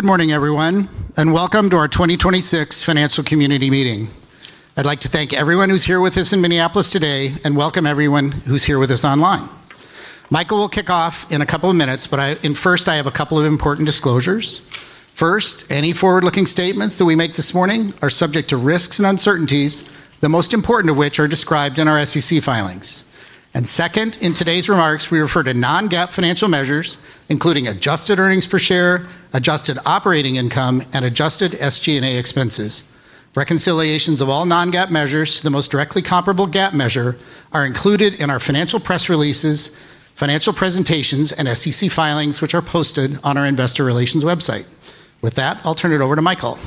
Good morning, everyone, welcome to our 2026 financial community meeting. I'd like to thank everyone who's here with us in Minneapolis today. Welcome everyone who's here with us online. Michael will kick off in a couple of minutes. First, I have a couple of important disclosures. First, any forward-looking statements that we make this morning are subject to risks and uncertainties, the most important of which are described in our SEC filings. Second, in today's remarks, we refer to non-GAAP financial measures, including adjusted earnings per share, adjusted operating income, and adjusted SG&A expense. Reconciliations of all non-GAAP measures to the most directly comparable GAAP measure are included in our financial press releases, financial presentations, and SEC filings, which are posted on our investor relations website. With that, I'll turn it over to Michael.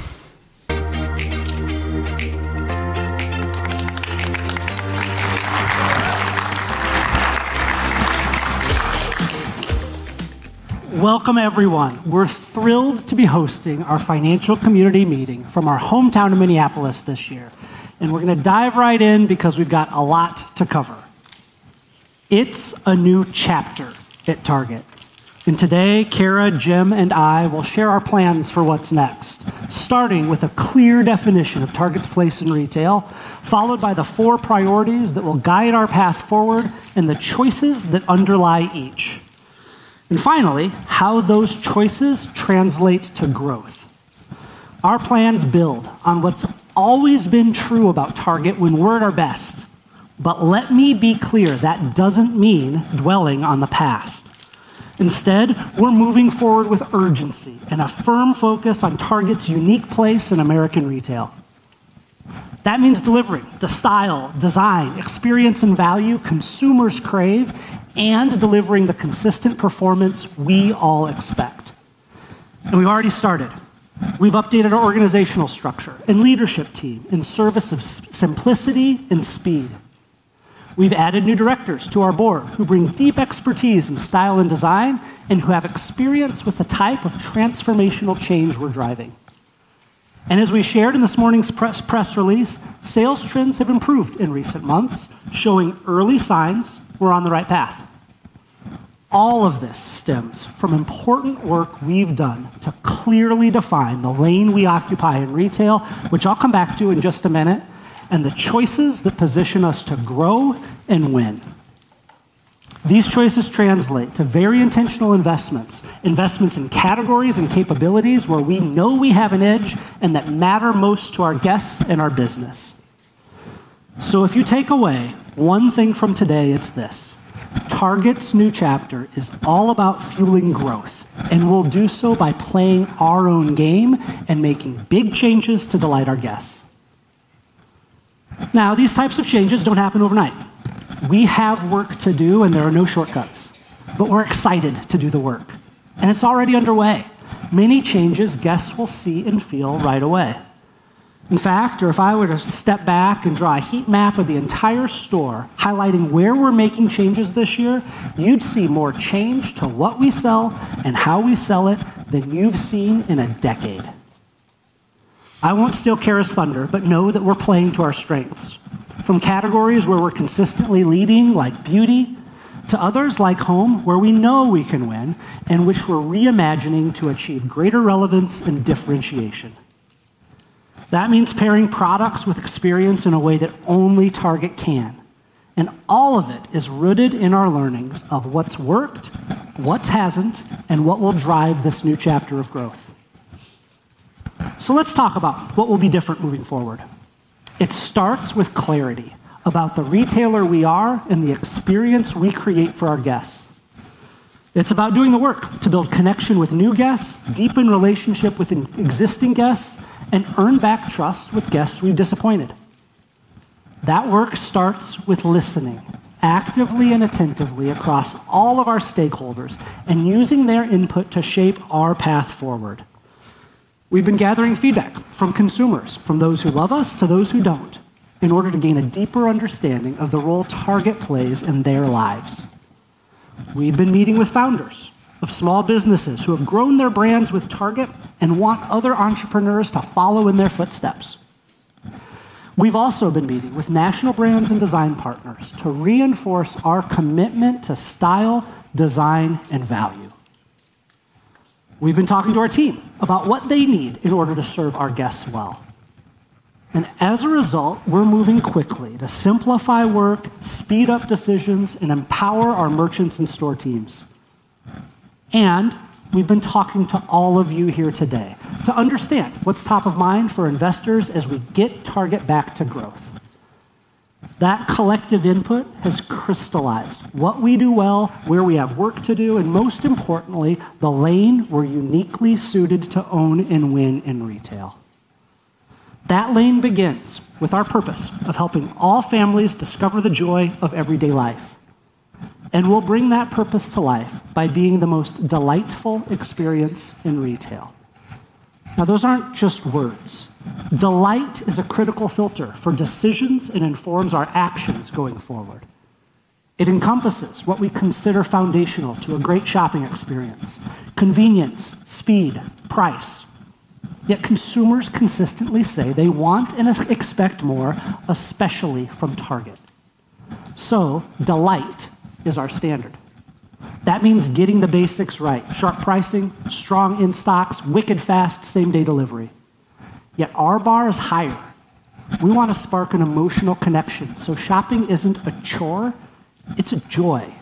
Welcome everyone. We're thrilled to be hosting our financial community meeting from our hometown of Minneapolis this year. We're going to dive right in because we've got a lot to cover. It's a new chapter at Target. Today, Cara, Jim, and I will share our plans for what's next, starting with a clear definition of Target's place in retail, followed by the four priorities that will guide our path forward and the choices that underlie each. Finally, how those choices translate to growth. Our plans build on what's always been true about Target when we're at our best. Let me be clear, that doesn't mean dwelling on the past. Instead, we're moving forward with urgency and a firm focus on Target's unique place in American retail. That means delivering the style, design, experience, and value consumers crave, and delivering the consistent performance we all expect. We've already started. We've updated our organizational structure and leadership team in service of simplicity and speed. We've added new directors to our board who bring deep expertise in style and design and who have experience with the type of transformational change we're driving. As we shared in this morning's press release, sales trends have improved in recent months, showing early signs we're on the right path. All of this stems from important work we've done to clearly define the lane we occupy in retail, which I'll come back to in just a minute, and the choices that position us to grow and win. These choices translate to very intentional investments. Investments in categories and capabilities where we know we have an edge and that matter most to our guests and our business. If you take away one thing from today, it's this: Target's new chapter is all about fueling growth, and we'll do so by playing our own game and making big changes to delight our guests. These types of changes don't happen overnight. We have work to do, and there are no shortcuts. We're excited to do the work, and it's already underway. Many changes guests will see and feel right away. In fact, if I were to step back and draw a heat map of the entire store highlighting where we're making changes this year, you'd see more change to what we sell and how we sell it than you've seen in a decade. I won't steal Cara's thunder, but know that we're playing to our strengths, from categories where we're consistently leading, like beauty, to others, like home, where we know we can win and which we're reimagining to achieve greater relevance and differentiation. That means pairing products with experience in a way that only Target can. All of it is rooted in our learnings of what's worked, what hasn't, and what will drive this new chapter of growth. Let's talk about what will be different moving forward. It starts with clarity about the retailer we are and the experience we create for our guests. It's about doing the work to build connection with new guests, deepen relationship with existing guests, and earn back trust with guests we've disappointed. That work starts with listening actively and attentively across all of our stakeholders and using their input to shape our path forward. We've been gathering feedback from consumers, from those who love us to those who don't, in order to gain a deeper understanding of the role Target plays in their lives. We've been meeting with founders of small businesses who have grown their brands with Target and want other entrepreneurs to follow in their footsteps. We've also been meeting with national brands and design partners to reinforce our commitment to style, design, and value. We've been talking to our team about what they need in order to serve our guests well. As a result, we're moving quickly to simplify work, speed up decisions, and empower our merchants and store teams. We've been talking to all of you here today to understand what's top of mind for investors as we get Target back to growth. That collective input has crystallized what we do well, where we have work to do, and most importantly, the lane we're uniquely suited to own and win in retail. That lane begins with our purpose of helping all families discover the joy of everyday life. We'll bring that purpose to life by being the most delightful experience in retail. Those aren't just words. Delight is a critical filter for decisions and informs our actions going forward. It encompasses what we consider foundational to a great shopping experience: convenience, speed, price. Consumers consistently say they want and expect more, especially from Target. Delight is our standard. That means getting the basics right. Sharp pricing, strong in-stocks, wicked fast same-day delivery. Our bar is higher. We want to spark an emotional connection, so shopping isn't a chore, it's a joy.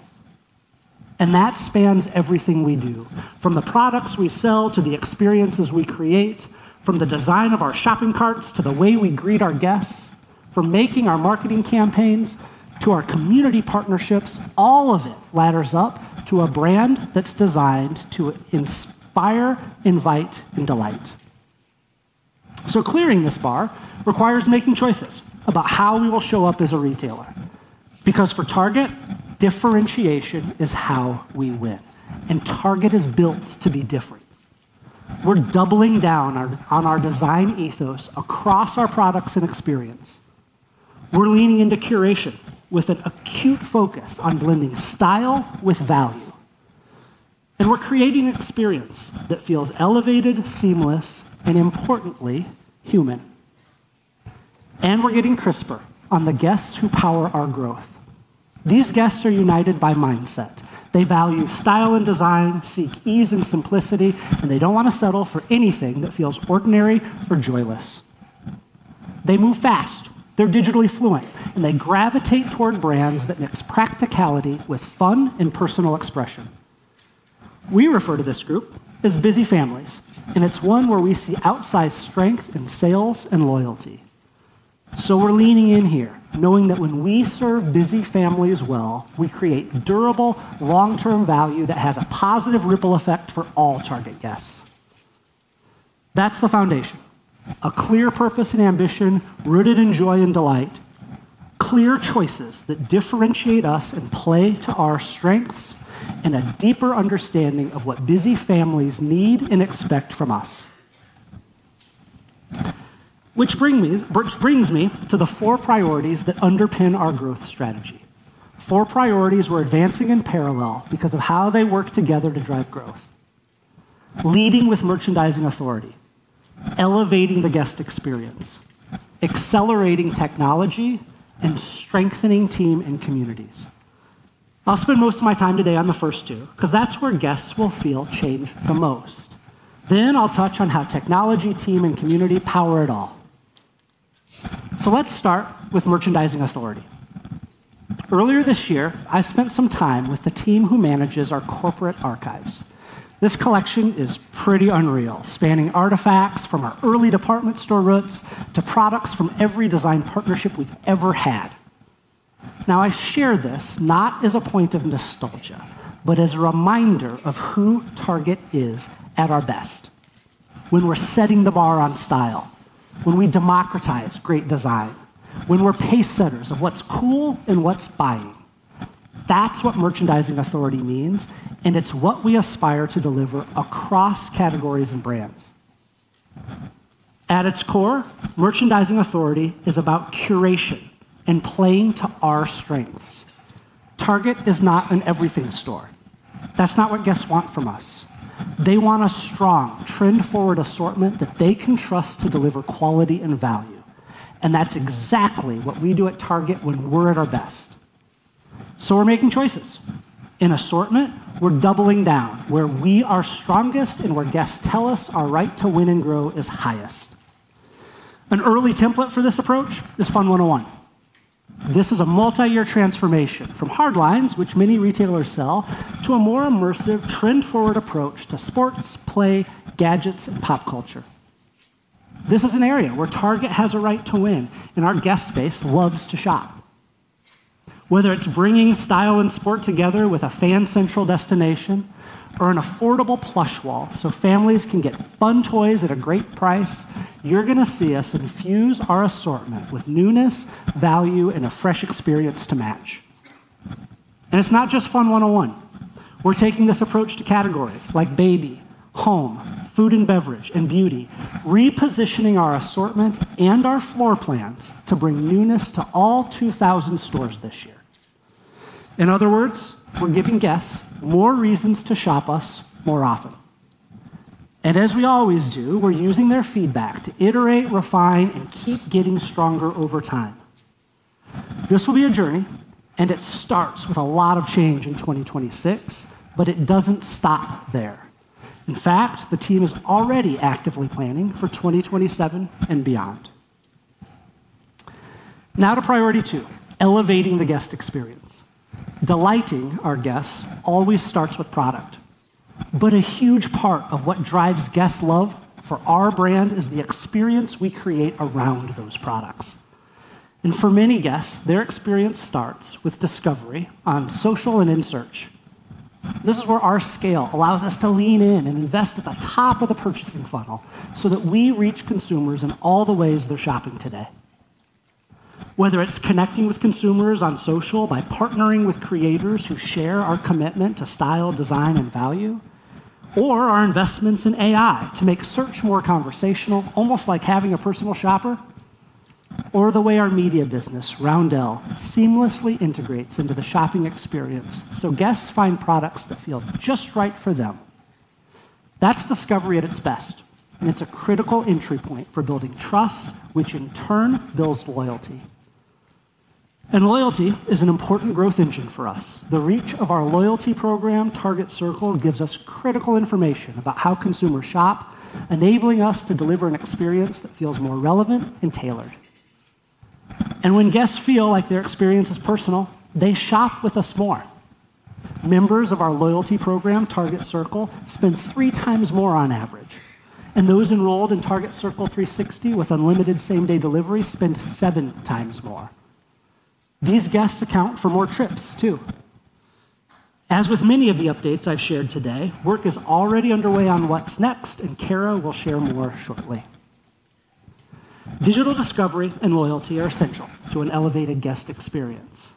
That spans everything we do, from the products we sell to the experiences we create, from the design of our shopping carts to the way we greet our guests, from making our marketing campaigns to our community partnerships, all of it ladders up to a brand that's designed to inspire, invite, and delight. Clearing this bar requires making choices about how we will show up as a retailer. Because for Target, differentiation is how we win, and Target is built to be different. We're doubling down on our design ethos across our products and experience. We're leaning into curation with an acute focus on blending style with value. And we're creating an experience that feels elevated, seamless, and importantly, human. We're getting crisper on the guests who power our growth. These guests are united by mindset. They value style and design, seek ease and simplicity, and they don't want to settle for anything that feels ordinary or joyless. They move fast, they're digitally fluent, and they gravitate toward brands that mix practicality with fun and personal expression. We refer to this group as busy families, and it's one where we see outsized strength in sales and loyalty. We're leaning in here, knowing that when we serve busy families well, we create durable, long-term value that has a positive ripple effect for all Target guests. That's the foundation, a clear purpose and ambition rooted in joy and delight, clear choices that differentiate us and play to our strengths, and a deeper understanding of what busy families need and expect from us. Which brings me to the four priorities that underpin our growth strategy. Four priorities we're advancing in parallel because of how they work together to drive growth. Leading with merchandising authority, elevating the guest experience, accelerating technology, and strengthening team and communities. I'll spend most of my time today on the first two cause that's where guests will feel change the most. I'll touch on how technology, team, and community power it all. Let's start with merchandising authority. Earlier this year, I spent some time with the team who manages our corporate archives. This collection is pretty unreal, spanning artifacts from our early department store roots to products from every design partnership we've ever had. I share this not as a point of nostalgia, but as a reminder of who Target is at our best. When we're setting the bar on style, when we democratize great design, when we're pacesetters of what's cool and what's buying. That's what merchandising authority means, and it's what we aspire to deliver across categories and brands. At its core, merchandising authority is about curation and playing to our strengths. Target is not an everything store. That's not what guests want from us. They want a strong, trend-forward assortment that they can trust to deliver quality and value, and that's exactly what we do at Target when we're at our best. We're making choices. In assortment, we're doubling down where we are strongest and where guests tell us our right to win and grow is highest. An early template for this approach is Fun 101 This is a multiyear transformation from hard lines, which many retailers sell, to a more immersive, trend-forward approach to sports, play, gadgets, and pop culture. This is an area where Target has a right to win and our guest base loves to shop. Whether it's bringing style and sport together with a Fan Central destination or an affordable plush wall so families can get fun toys at a great price, you're going to see us infuse our assortment with newness, value, and a fresh experience to match. It's not just Fun 101. We're taking this approach to categories like baby, home, food and beverage, and beauty, repositioning our assortment and our floor plans to bring newness to all 2,000 stores this year. In other words, we're giving guests more reasons to shop us more often. As we always do, we're using their feedback to iterate, refine, and keep getting stronger over time. This will be a journey, and it starts with a lot of change in 2026, but it doesn't stop there. In fact, the team is already actively planning for 2027 and beyond. Now to priority two, elevating the guest experience. Delighting our guests always starts with product, but a huge part of what drives guest love for our brand is the experience we create around those products. For many guests, their experience starts with discovery on social and in search. This is where our scale allows us to lean in and invest at the top of the purchasing funnel so that we reach consumers in all the ways they're shopping today. Whether it's connecting with consumers on social by partnering with creators who share our commitment to style, design, and value, or our investments in AI to make search more conversational, almost like having a personal shopper, or the way our media business, Roundel, seamlessly integrates into the shopping experience so guests find products that feel just right for them. That's discovery at its best. It's a critical entry point for building trust, which in turn builds loyalty. Loyalty is an important growth engine for us. The reach of our loyalty program, Target Circle, gives us critical information about how consumers shop enabling us to deliver an experience that feels more relevant and tailored. When guests feel like their experience is personal, they shop with us more. Members of our loyalty program, Target Circle, spend 3x more on average. Those enrolled in Target Circle 360 with unlimited same-day delivery spend 7x more. These guests account for more trips too. As with many of the updates I've shared today, work is already underway on what's next. Cara will share more shortly. Digital discovery and loyalty are essential to an elevated guest experience.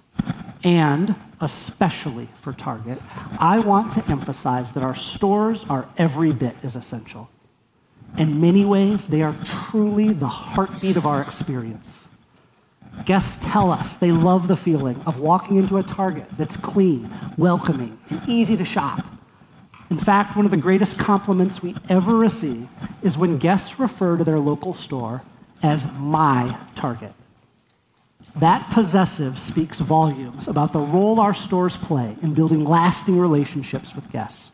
Especially for Target, I want to emphasize that our stores are every bit as essential. In many ways, they are truly the heartbeat of our experience. Guests tell us they love the feeling of walking into a Target that's clean, welcoming, and easy to shop. In fact, one of the greatest compliments we ever receive is when guests refer to their local store as my Target. That possessive speaks volumes about the role our stores play in building lasting relationships with guests.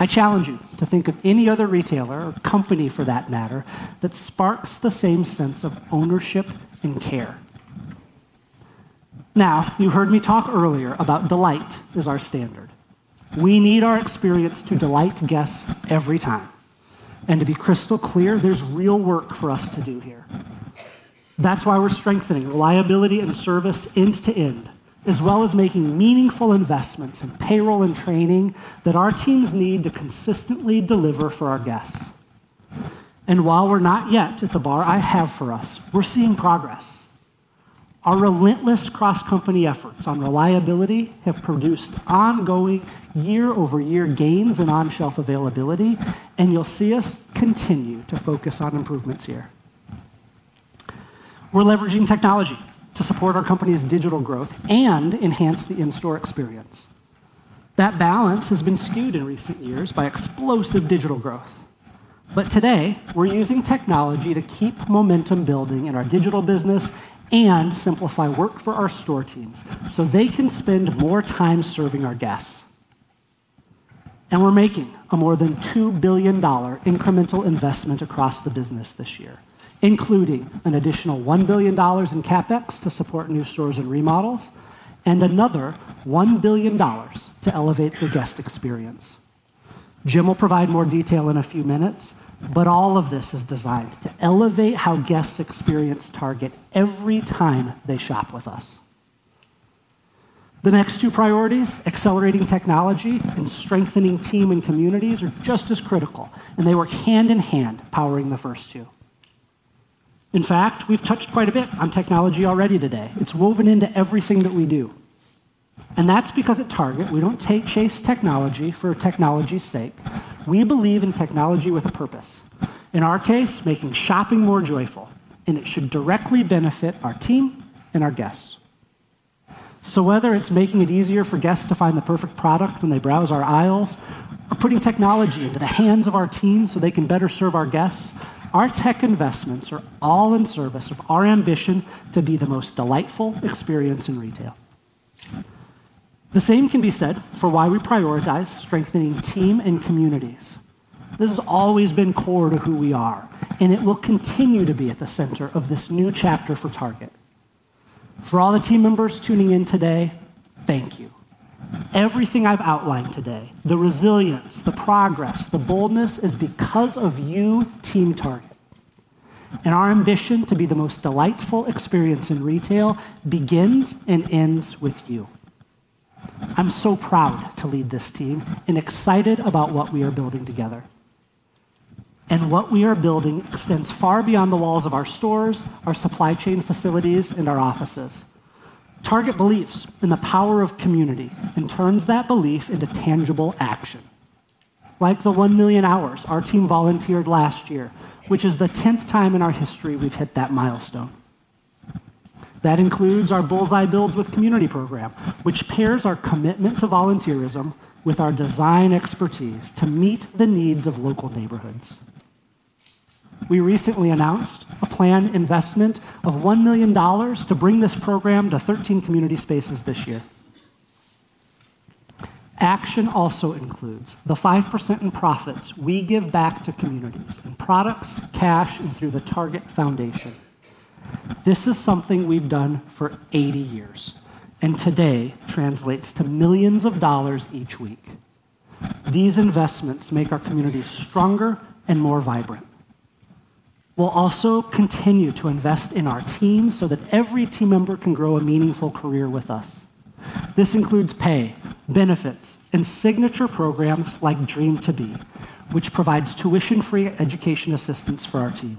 I challenge you to think of any other retailer or company for that matter that sparks the same sense of ownership and care. Now, you heard me talk earlier about delight as our standard. We need our experience to delight guests every time, and to be crystal clear, there's real work for us to do here. That's why we're strengthening reliability and service end to end, as well as making meaningful investments in payroll and training that our teams need to consistently deliver for our guests. While we're not yet at the bar I have for us, we're seeing progress. Our relentless cross-company efforts on reliability have produced ongoing year-over-year gains in on-shelf availability, and you'll see us continue to focus on improvements here. We're leveraging technology to support our company's digital growth and enhance the in-store experience. That balance has been skewed in recent years by explosive digital growth. Today, we're using technology to keep momentum building in our digital business and simplify work for our store teams so they can spend more time serving our guests. We're making a more than $2 billion incremental investment across the business this year, including an additional $1 billion in CapEx to support new stores and remodels and another $1 billion to elevate the guest experience. Jim will provide more detail in a few minutes, All of this is designed to elevate how guests experience Target every time they shop with us. The next two priorities, accelerating technology and strengthening team and communities, are just as critical. They work hand-in-hand powering the first two. In fact, we've touched quite a bit on technology already today. It's woven into everything that we do. That's because at Target we don't chase technology for technology's sake. We believe in technology with a purpose. In our case, making shopping more joyful. It should directly benefit our team and our guests. Whether it's making it easier for guests to find the perfect product when they browse our aisles or putting technology into the hands of our team so they can better serve our guests, our tech investments are all in service of our ambition to be the most delightful experience in retail. The same can be said for why we prioritize strengthening team and communities. This has always been core to who we are. It will continue to be at the center of this new chapter for Target. For all the team members tuning in today, thank you. Everything I've outlined today, the resilience, the progress, the boldness, is because of you, Team Target, our ambition to be the most delightful experience in retail begins and ends with you. I'm so proud to lead this team and excited about what we are building together. What we are building extends far beyond the walls of our stores, our supply chain facilities, and our offices. Target believes in the power of community and turns that belief into tangible action, like the 1 million hours our team volunteered last year, which is the 10th time in our history we've hit that milestone. That includes our Bullseye Builds with Community program, which pairs our commitment to volunteerism with our design expertise to meet the needs of local neighborhoods. We recently announced a planned investment of $1 million to bring this program to 13 community spaces this year. Action also includes the 5% in profits we give back to communities in products, cash, and through the Target Foundation. This is something we've done for 80 years and today translates to millions of dollars each week. These investments make our communities stronger and more vibrant. We'll also continue to invest in our team so that every team member can grow a meaningful career with us. This includes pay, benefits, and signature programs like Dream to Be, which provides tuition-free education assistance for our team.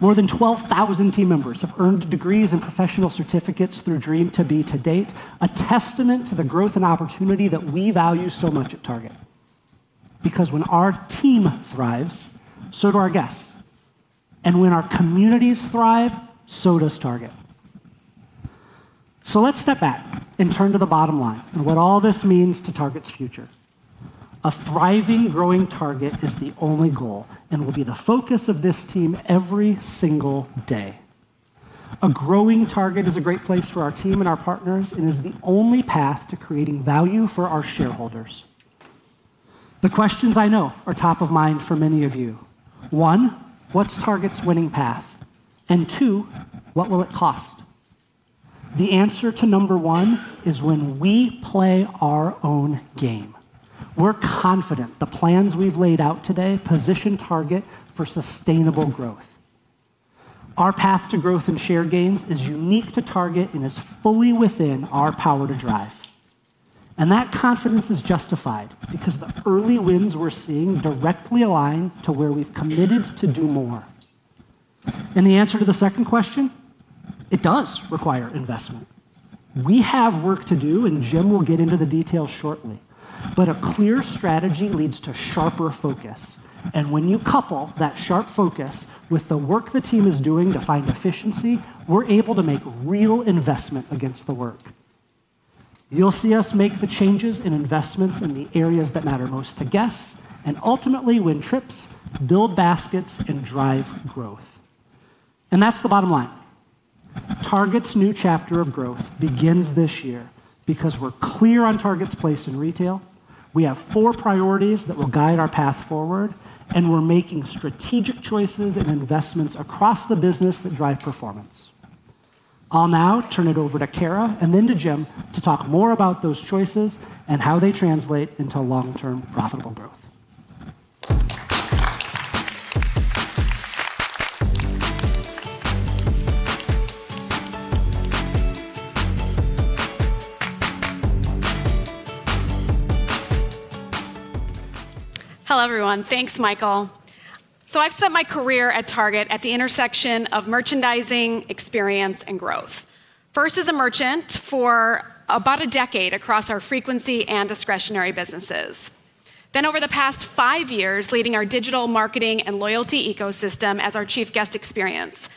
More than 12,000 team members have earned degrees and professional certificates through Dream to Be to date, a testament to the growth and opportunity that we value so much at Target. When our team thrives, so do our guests. When our communities thrive, so does Target. So let's step back and turn to the bottom line and what all this means to Target's future. A thriving, growing Target is the only goal and will be the focus of this team every single day. A growing Target is a great place for our team and our partners and is the only path to creating value for our shareholders. The questions I know are top of mind for many of you. One, what's Target's winning path? Two, what will it cost? The answer to number one is when we play our own game, we're confident the plans we've laid out today position Target for sustainable growth. Our path to growth and share gains is unique to Target and is fully within our power to drive. That confidence is justified because the early wins we're seeing directly align to where we've committed to do more. The answer to the second question, it does require investment. We have work to do, and Jim will get into the details shortly. A clear strategy leads to sharper focus. When you couple that sharp focus with the work the team is doing to find efficiency, we're able to make real investment against the work. You'll see us make the changes in investments in the areas that matter most to guests and ultimately win trips, build baskets, and drive growth. That's the bottom line. Target's new chapter of growth begins this year because we're clear on Target's place in retail, we have four priorities that will guide our path forward, and we're making strategic choices and investments across the business that drive performance. I'll now turn it over to Cara and then to Jim to talk more about those choices and how they translate into long-term profitable growth. Hello, everyone. Thanks, Michael. I've spent my career at Target at the intersection of merchandising, experience, and growth. First as a merchant for about 10 years across our frequency and discretionary businesses. Over the past five years, leading our digital marketing and loyalty ecosystem as our Chief Guest Experience,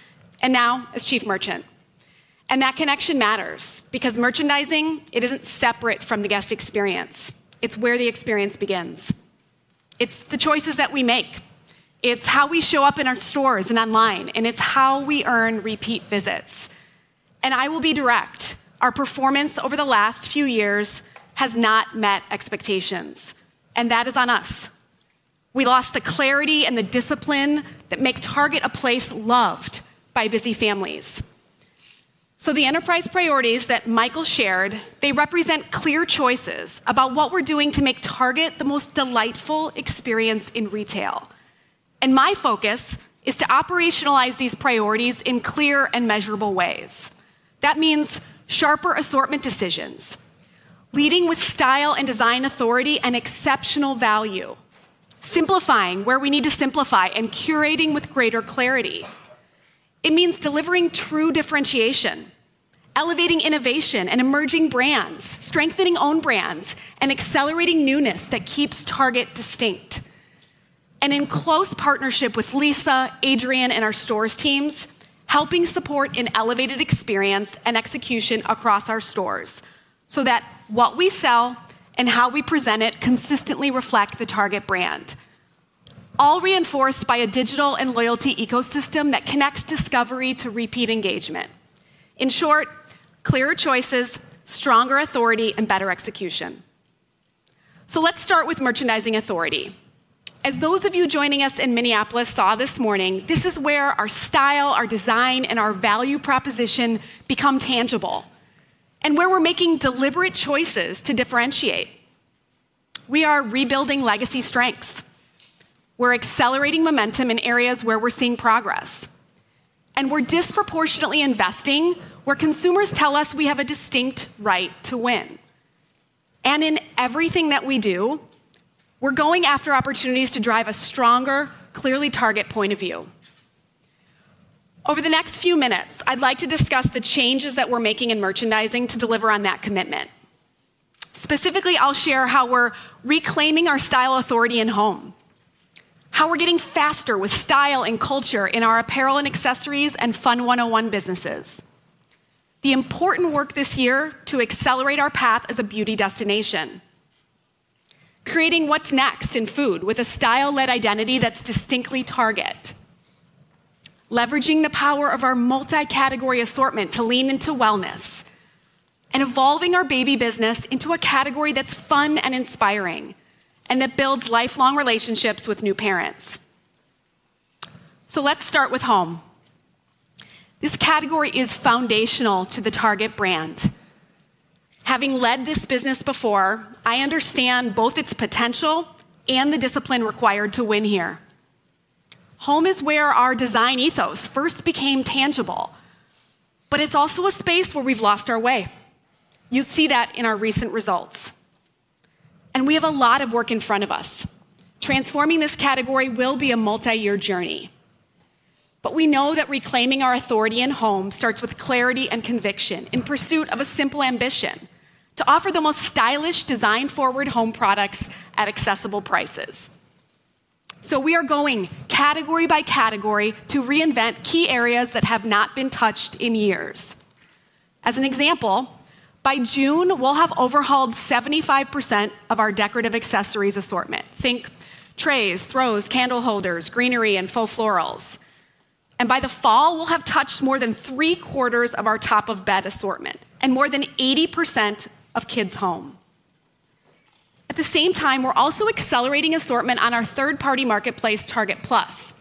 and now as Chief Merchant. That connection matters because merchandising, it isn't separate from the guest experience. It's where the experience begins. It's the choices that we make. It's how we show up in our stores and online, and it's how we earn repeat visits. I will be direct. Our performance over the last few years has not met expectations, and that is on us. We lost the clarity and the discipline that make Target a place loved by busy families. The enterprise priorities that Michael shared, they represent clear choices about what we're doing to make Target the most delightful experience in retail. My focus is to operationalize these priorities in clear and measurable ways. That means sharper assortment decisions, leading with style and design authority and exceptional value, simplifying where we need to simplify, and curating with greater clarity. It means delivering true differentiation, elevating innovation and emerging brands, strengthening own brands, and accelerating newness that keeps Target distinct. In close partnership with Lisa, Adrian, and our stores teams, helping support an elevated experience and execution across our stores so that what we sell and how we present it consistently reflect the Target brand, all reinforced by a digital and loyalty ecosystem that connects discovery to repeat engagement. In short, clearer choices, stronger authority, and better execution. Let's start with merchandising authority. As those of you joining us in Minneapolis saw this morning, this is where our style, our design, and our value proposition become tangible and where we're making deliberate choices to differentiate. We are rebuilding legacy strengths. We're accelerating momentum in areas where we're seeing progress. We're disproportionately investing where consumers tell us we have a distinct right to win. In everything that we do, we're going after opportunities to drive a stronger, clearly Target point of view. Over the next few minutes, I'd like to discuss the changes that we're making in merchandising to deliver on that commitment. Specifically, I'll share how we're reclaiming our style authority in home, how we're getting faster with style and culture in our apparel and accessories and Fun 101 businesses, the important work this year to accelerate our path as a beauty destination, creating what's next in food with a style-led identity that's distinctly Target, leveraging the power of our multi-category assortment to lean into wellness, and evolving our baby business into a category that's fun and inspiring and that builds lifelong relationships with new parents. Let's start with home. This category is foundational to the Target brand. Having led this business before, I understand both its potential and the discipline required to win here. Home is where our design ethos first became tangible, but it's also a space where we've lost our way. You see that in our recent results. We have a lot of work in front of us. Transforming this category will be a multi-year journey. We know that reclaiming our authority in home starts with clarity and conviction in pursuit of a simple ambition: to offer the most stylish, design-forward home products at accessible prices. We are going category by category to reinvent key areas that have not been touched in years. As an example, by June, we'll have overhauled 75% of our decorative accessories assortment. Think trays, throws, candle holders, greenery, and faux florals. By the fall, we'll have touched more than three-quarters of our top-of-bed assortment and more than 80% of kids home. At the same time, we're also accelerating assortment on our third-party marketplace, Target Plus.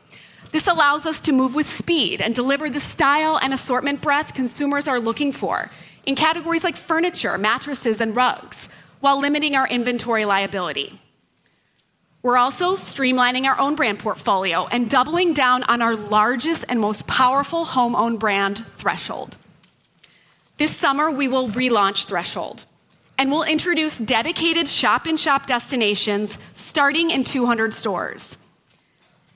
This allows us to move with speed and deliver the style and assortment breadth consumers are looking for in categories like furniture, mattresses, and rugs, while limiting our inventory liability. We're also streamlining our own brand portfolio and doubling down on our largest and most powerful home own brand, Threshold. This summer, we will relaunch Threshold. We'll introduce dedicated shop-in-shop destinations starting in 200 stores.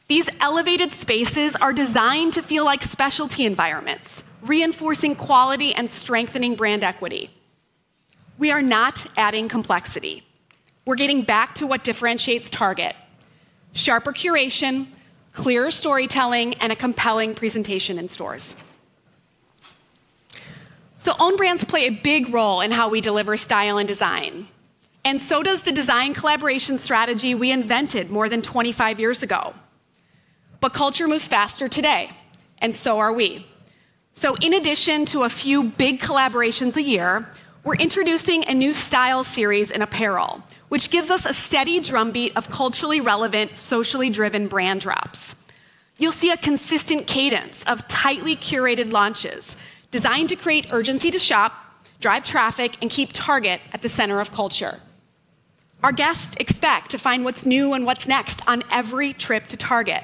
These elevated spaces are designed to feel like specialty environments, reinforcing quality and strengthening brand equity. We are not adding complexity. We're getting back to what differentiates Target: sharper curation, clearer storytelling, and a compelling presentation in stores. Own brands play a big role in how we deliver style and design, and so does the design collaboration strategy we invented more than 25 years ago. Culture moves faster today, and so are we. In addition to a few big collaborations a year, we're introducing a new style series in apparel, which gives us a steady drumbeat of culturally relevant, socially driven brand drops. You'll see a consistent cadence of tightly curated launches designed to create urgency to shop, drive traffic, and keep Target at the center of culture. Our guests expect to find what's new and what's next on every trip to Target.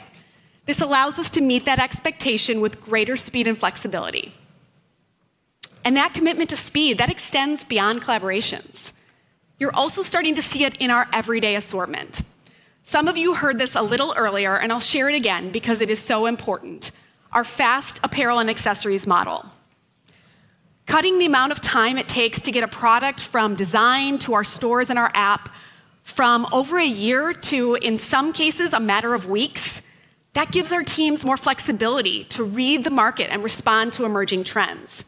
This allows us to meet that expectation with greater speed and flexibility. That commitment to speed, that extends beyond collaborations. You're also starting to see it in our everyday assortment. Some of you heard this a little earlier, and I'll share it again because it is so important, our fast apparel and accessories model. Cutting the amount of time it takes to get a product from design to our stores and our app from over a year to, in some cases, a matter of weeks, that gives our teams more flexibility to read the market and respond to emerging trends.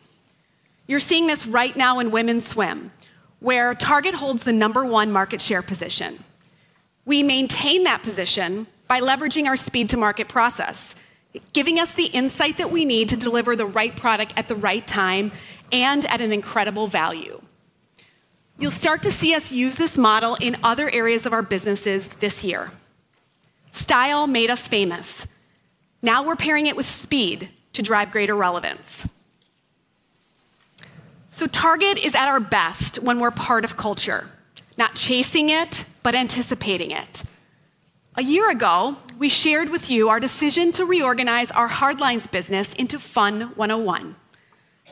You're seeing this right now in women's swim, where Target holds the number one market share position. We maintain that position by leveraging our speed-to-market process, giving us the insight that we need to deliver the right product at the right time and at an incredible value. You'll start to see us use this model in other areas of our businesses this year. style made us famous. Now we're pairing it with speed to drive greater relevance. Target is at our best when we're part of culture, not chasing it, but anticipating it. A year ago, we shared with you our decision to reorganize our hard lines business into Fun 101,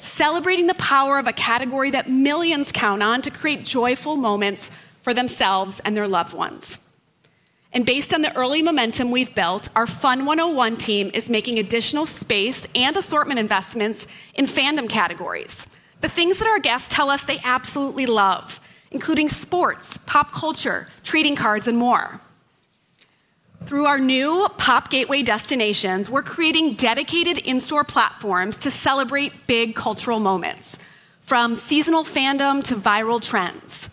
celebrating the power of a category that millions count on to create joyful moments for themselves and their loved ones. Based on the early momentum we've built, our Fun 101 team is making additional space and assortment investments in fandom categories, the things that our guests tell us they absolutely love, including sports, pop culture, trading cards, and more. Through our new pop gateway destinations, we're creating dedicated in-store platforms to celebrate big cultural moments, from seasonal fandom to viral trends.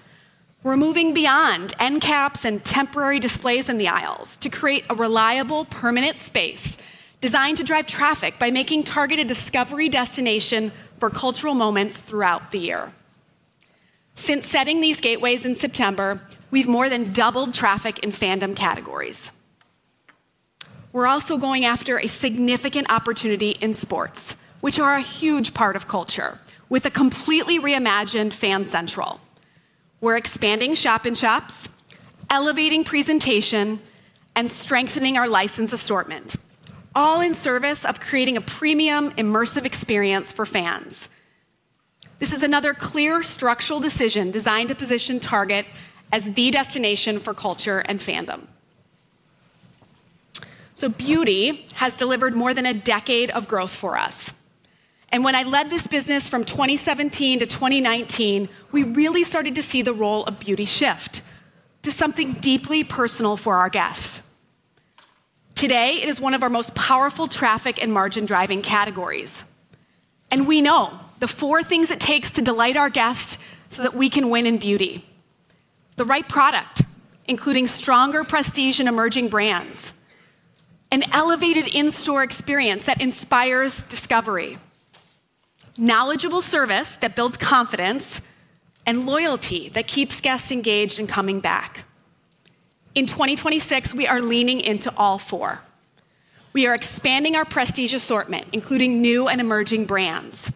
We're moving beyond end caps and temporary displays in the aisles to create a reliable, permanent space designed to drive traffic by making Target a discovery destination for cultural moments throughout the year. Since setting these gateways in September, we've more than doubled traffic in fandom categories. We're also going after a significant opportunity in sports, which are a huge part of culture, with a completely reimagined Fan Central. We're expanding shop-in-shops, elevating presentation, and strengthening our license assortment, all in service of creating a premium, immersive experience for fans. This is another clear structural decision designed to position Target as the destination for culture and fandom. Beauty has delivered more than a decade of growth for us. When I led this business from 2017 to 2019, we really started to see the role of beauty shift to something deeply personal for our guests. Today, it is one of our most powerful traffic and margin-driving categories, and we know the four things it takes to delight our guests so that we can win in beauty. The right product, including stronger prestige and emerging brands, an elevated in-store experience that inspires discovery, knowledgeable service that builds confidence, and loyalty that keeps guests engaged and coming back. In 2026, we are leaning into all four. We are expanding our prestige assortment, including new and emerging brands.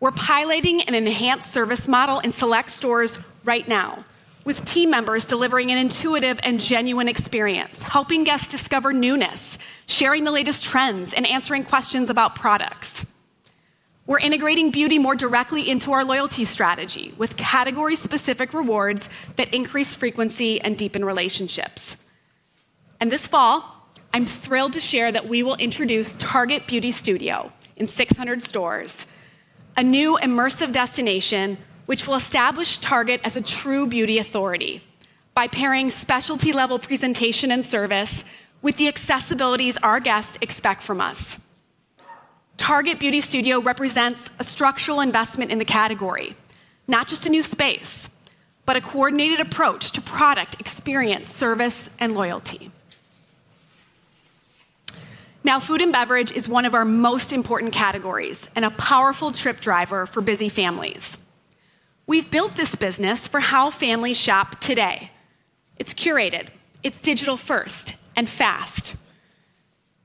We're piloting an enhanced service model in select stores right now with team members delivering an intuitive and genuine experience, helping guests discover newness, sharing the latest trends, and answering questions about products. We're integrating beauty more directly into our loyalty strategy with category-specific rewards that increase frequency and deepen relationships. This fall, I'm thrilled to share that we will introduce Target Beauty Studio in 600 stores. A new immersive destination which will establish Target as a true beauty authority by pairing specialty level presentation and service with the accessibilities our guests expect from us. Target Beauty Studio represents a structural investment in the category. Not just a new space, but a coordinated approach to product, experience, service, and loyalty. Food and beverage is one of our most important categories and a powerful trip driver for busy families. We've built this business for how families shop today. It's curated, it's digital first, and fast.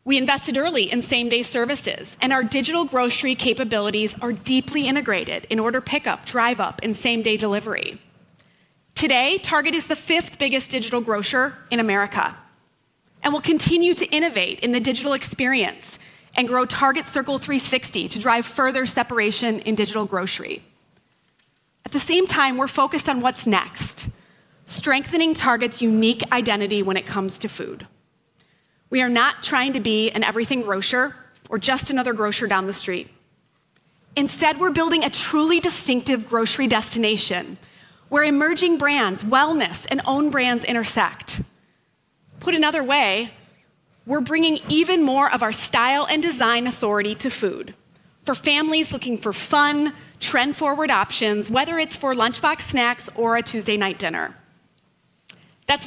We invested early in same-day services, and our digital grocery capabilities are deeply integrated in order pickup, Drive Up, and same-day delivery. Today, Target is the fifth biggest digital grocer in America, and we'll continue to innovate in the digital experience and grow Target Circle 360 to drive further separation in digital grocery. At the same time, we're focused on what's next, strengthening Target's unique identity when it comes to food. We are not trying to be an everything grocer or just another grocer down the street. Instead, we're building a truly distinctive grocery destination where emerging brands, wellness, and own brands intersect. Put another way, we're bringing even more of our style and design authority to food for families looking for fun, trend-forward options, whether it's for lunchbox snacks or a Tuesday night dinner.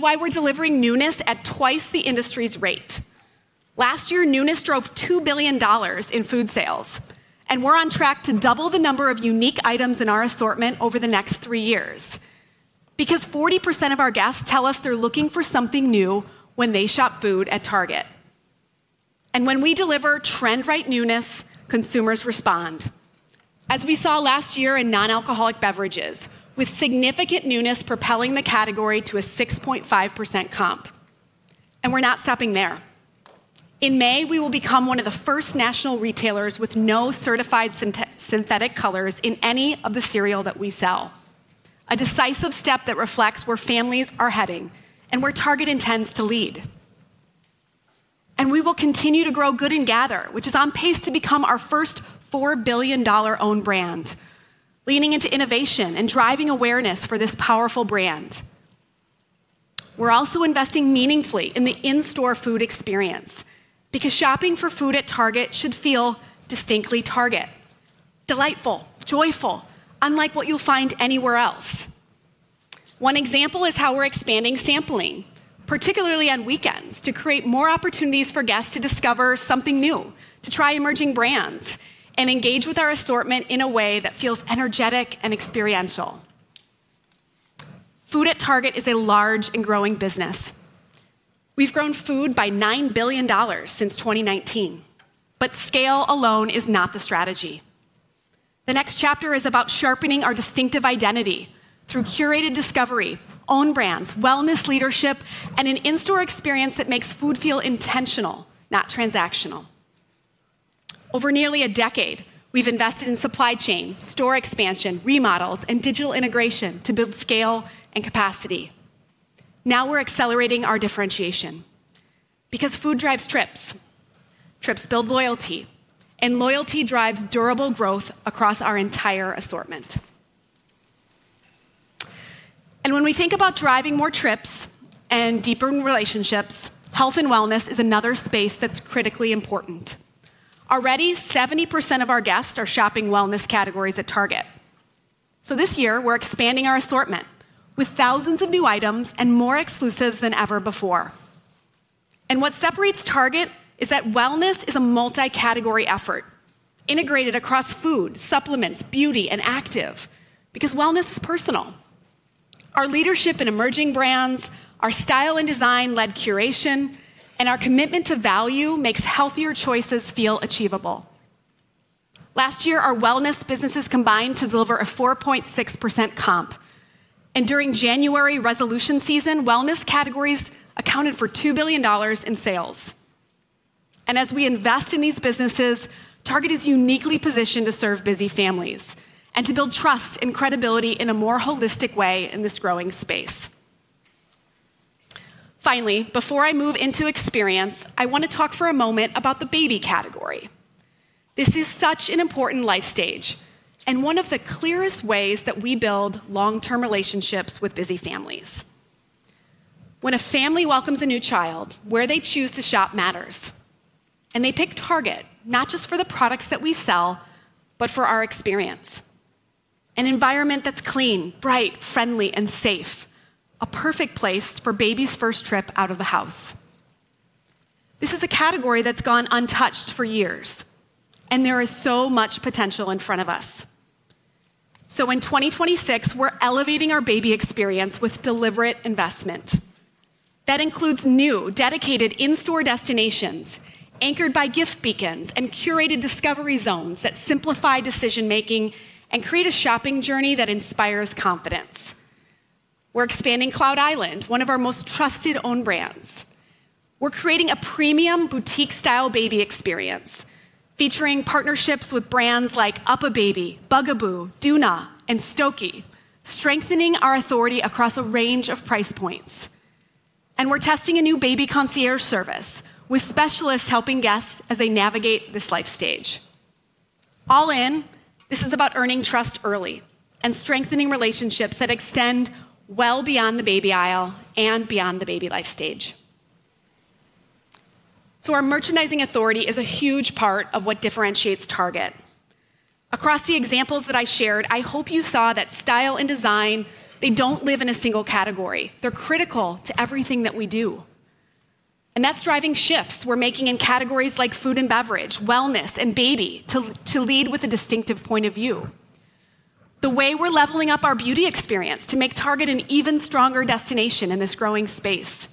We're delivering newness at twice the industry's rate. Last year, newness drove $2 billion in food sales. We're on track to double the number of unique items in our assortment over the next three years. 40% of our guests tell us they're looking for something new when they shop food at Target. When we deliver trend-right newness, consumers respond. As we saw last year in non-alcoholic beverages, with significant newness propelling the category to a 6.5% comp. We're not stopping there. In May, we will become one of the first national retailers with no certified synthetic colors in any of the cereal that we sell. A decisive step that reflects where families are heading and where Target intends to lead. We will continue to grow Good & Gather, which is on pace to become our first $4 billion dollar own brand, leaning into innovation and driving awareness for this powerful brand. We're also investing meaningfully in the in-store food experience because shopping for food at Target should feel distinctly Target. Delightful, joyful, unlike what you'll find anywhere else. One example is how we're expanding sampling, particularly on weekends, to create more opportunities for guests to discover something new, to try emerging brands, and engage with our assortment in a way that feels energetic and experiential. Food at Target is a large and growing business. We've grown food by $9 billion since 2019, but scale alone is not the strategy. The next chapter is about sharpening our distinctive identity through curated discovery, own brands, wellness leadership, and an in-store experience that makes food feel intentional, not transactional. Over nearly a decade, we've invested in supply chain, store expansion, remodels, and digital integration to build scale and capacity. Now we're accelerating our differentiation because food drives trips. Trips build loyalty, and loyalty drives durable growth across our entire assortment. When we think about driving more trips and deeper relationships, health and wellness is another space that's critically important. Already, 70% of our guests are shopping wellness categories at Target. This year, we're expanding our assortment with thousands of new items and more exclusives than ever before. What separates Target is that wellness is a multi-category effort integrated across food, supplements, beauty, and active because wellness is personal. Our leadership in emerging brands, our style and design-led curation, and our commitment to value makes healthier choices feel achievable. Last year, our wellness businesses combined to deliver a 4.6% comp. During January resolution season, wellness categories accounted for $2 billion in sales. As we invest in these businesses, Target is uniquely positioned to serve busy families and to build trust and credibility in a more holistic way in this growing space. Finally, before I move into experience, I wanna talk for a moment about the baby category. This is such an important life stage and one of the clearest ways that we build long-term relationships with busy families. When a family welcomes a new child, where they choose to shop matters. They pick Target, not just for the products that we sell, but for our experience. An environment that's clean, bright, friendly, and safe. A perfect place for baby's first trip out of the house. This is a category that's gone untouched for years, and there is so much potential in front of us. In 2026, we're elevating our baby experience with deliberate investment. That includes new dedicated in-store destinations anchored by gift beacons and curated discovery zones that simplify decision-making and create a shopping journey that inspires confidence. We're expanding Cloud Island, one of our most trusted own brands. We're creating a premium boutique style baby experience featuring partnerships with brands like UPPAbaby, Bugaboo, Doona, and Stokke, strengthening our authority across a range of price points. We're testing a new baby concierge service with specialists helping guests as they navigate this life stage. All in, this is about earning trust early and strengthening relationships that extend well beyond the baby aisle and beyond the baby life stage. Our merchandising authority is a huge part of what differentiates Target. Across the examples that I shared, I hope you saw that style and design, they don't live in a single category. They're critical to everything that we do, and that's driving shifts we're making in categories like food and beverage, wellness, and baby to lead with a distinctive point of view. The way we're leveling up our beauty experience to make Target an even stronger destination in this growing space.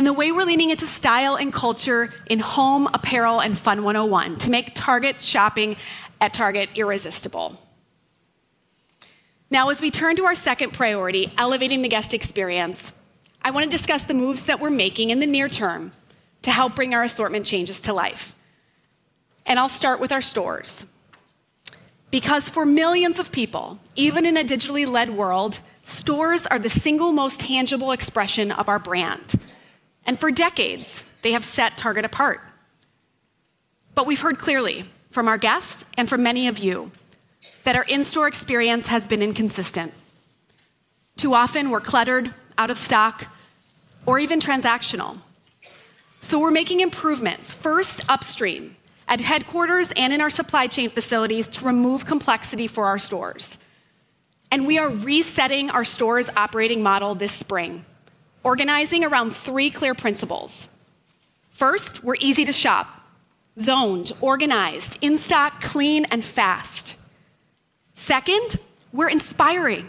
The way we're leaning into style and culture in home apparel and Fun 101 to make Target shopping at Target irresistible. Now, as we turn to our second priority, elevating the guest experience, I wanna discuss the moves that we're making in the near term to help bring our assortment changes to life. I'll start with our stores. Because for millions of people, even in a digitally led world, stores are the single most tangible expression of our brand, and for decades they have set Target apart. We've heard clearly from our guests and from many of you that our in-store experience has been inconsistent. Too often we're cluttered, out of stock, or even transactional. We're making improvements, first upstream at headquarters and in our supply chain facilities to remove complexity for our stores. We are resetting our stores' operating model this spring, organizing around three clear principles. First, we're easy to shop: zoned, organized, in stock, clean, and fast. Second, we're inspiring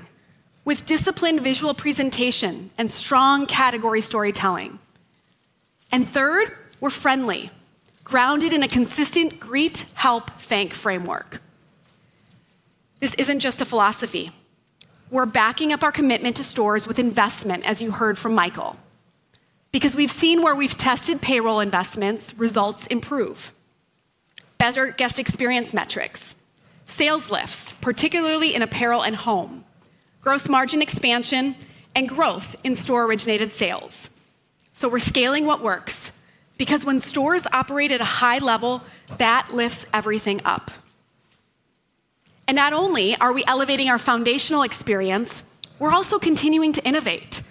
with disciplined visual presentation and strong category storytelling. Third, we're friendly, grounded in a consistent greet, help, thank framework. This isn't just a philosophy. We're backing up our commitment to stores with investment, as you heard from Michael, because we've seen where we've tested payroll investments, results improve. Better guest experience metrics, sales lifts, particularly in apparel and home, gross margin expansion, and growth in store-originated sales. We're scaling what works because when stores operate at a high level, that lifts everything up. Not only are we elevating our foundational experience, we're also continuing to innovate.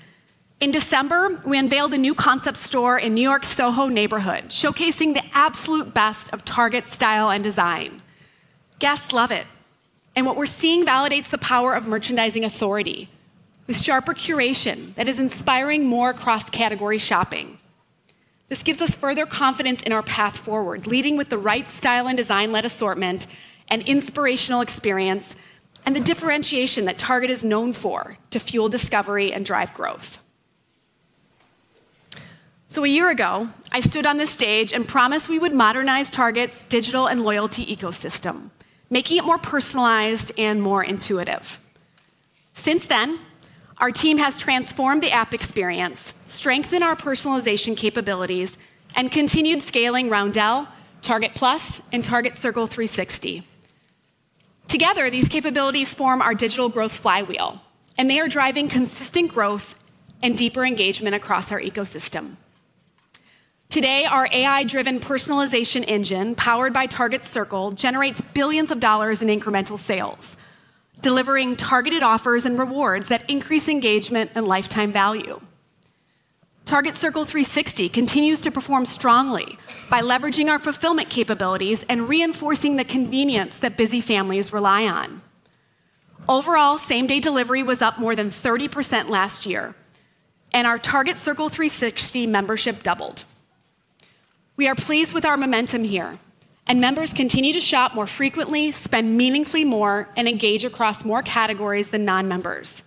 In December, we unveiled a new concept store in New York's SoHo neighborhood, showcasing the absolute best of Target's style and design. Guests love it, what we're seeing validates the power of merchandising authority with sharper curation that is inspiring more cross-category shopping. This gives us further confidence in our path forward, leading with the right style and design-led assortment and inspirational experience and the differentiation that Target is known for to fuel discovery and drive growth. A year ago, I stood on this stage and promised we would modernize Target's digital and loyalty ecosystem, making it more personalized and more intuitive. Since then, our team has transformed the app experience, strengthened our personalization capabilities, and continued scaling Roundel, Target Plus, and Target Circle 360. Together, these capabilities form our digital growth flywheel, they are driving consistent growth and deeper engagement across our ecosystem. Today, our AI-driven personalization engine, powered by Target Circle, generates billions of dollars in incremental sales, delivering targeted offers and rewards that increase engagement and lifetime value. Target Circle 360 continues to perform strongly by leveraging our fulfillment capabilities and reinforcing the convenience that busy families rely on. Overall, same-day delivery was up more than 30% last year, and our Target Circle 360 membership doubled. We are pleased with our momentum here, and members continue to shop more frequently, spend meaningfully more, and engage across more categories than non-members.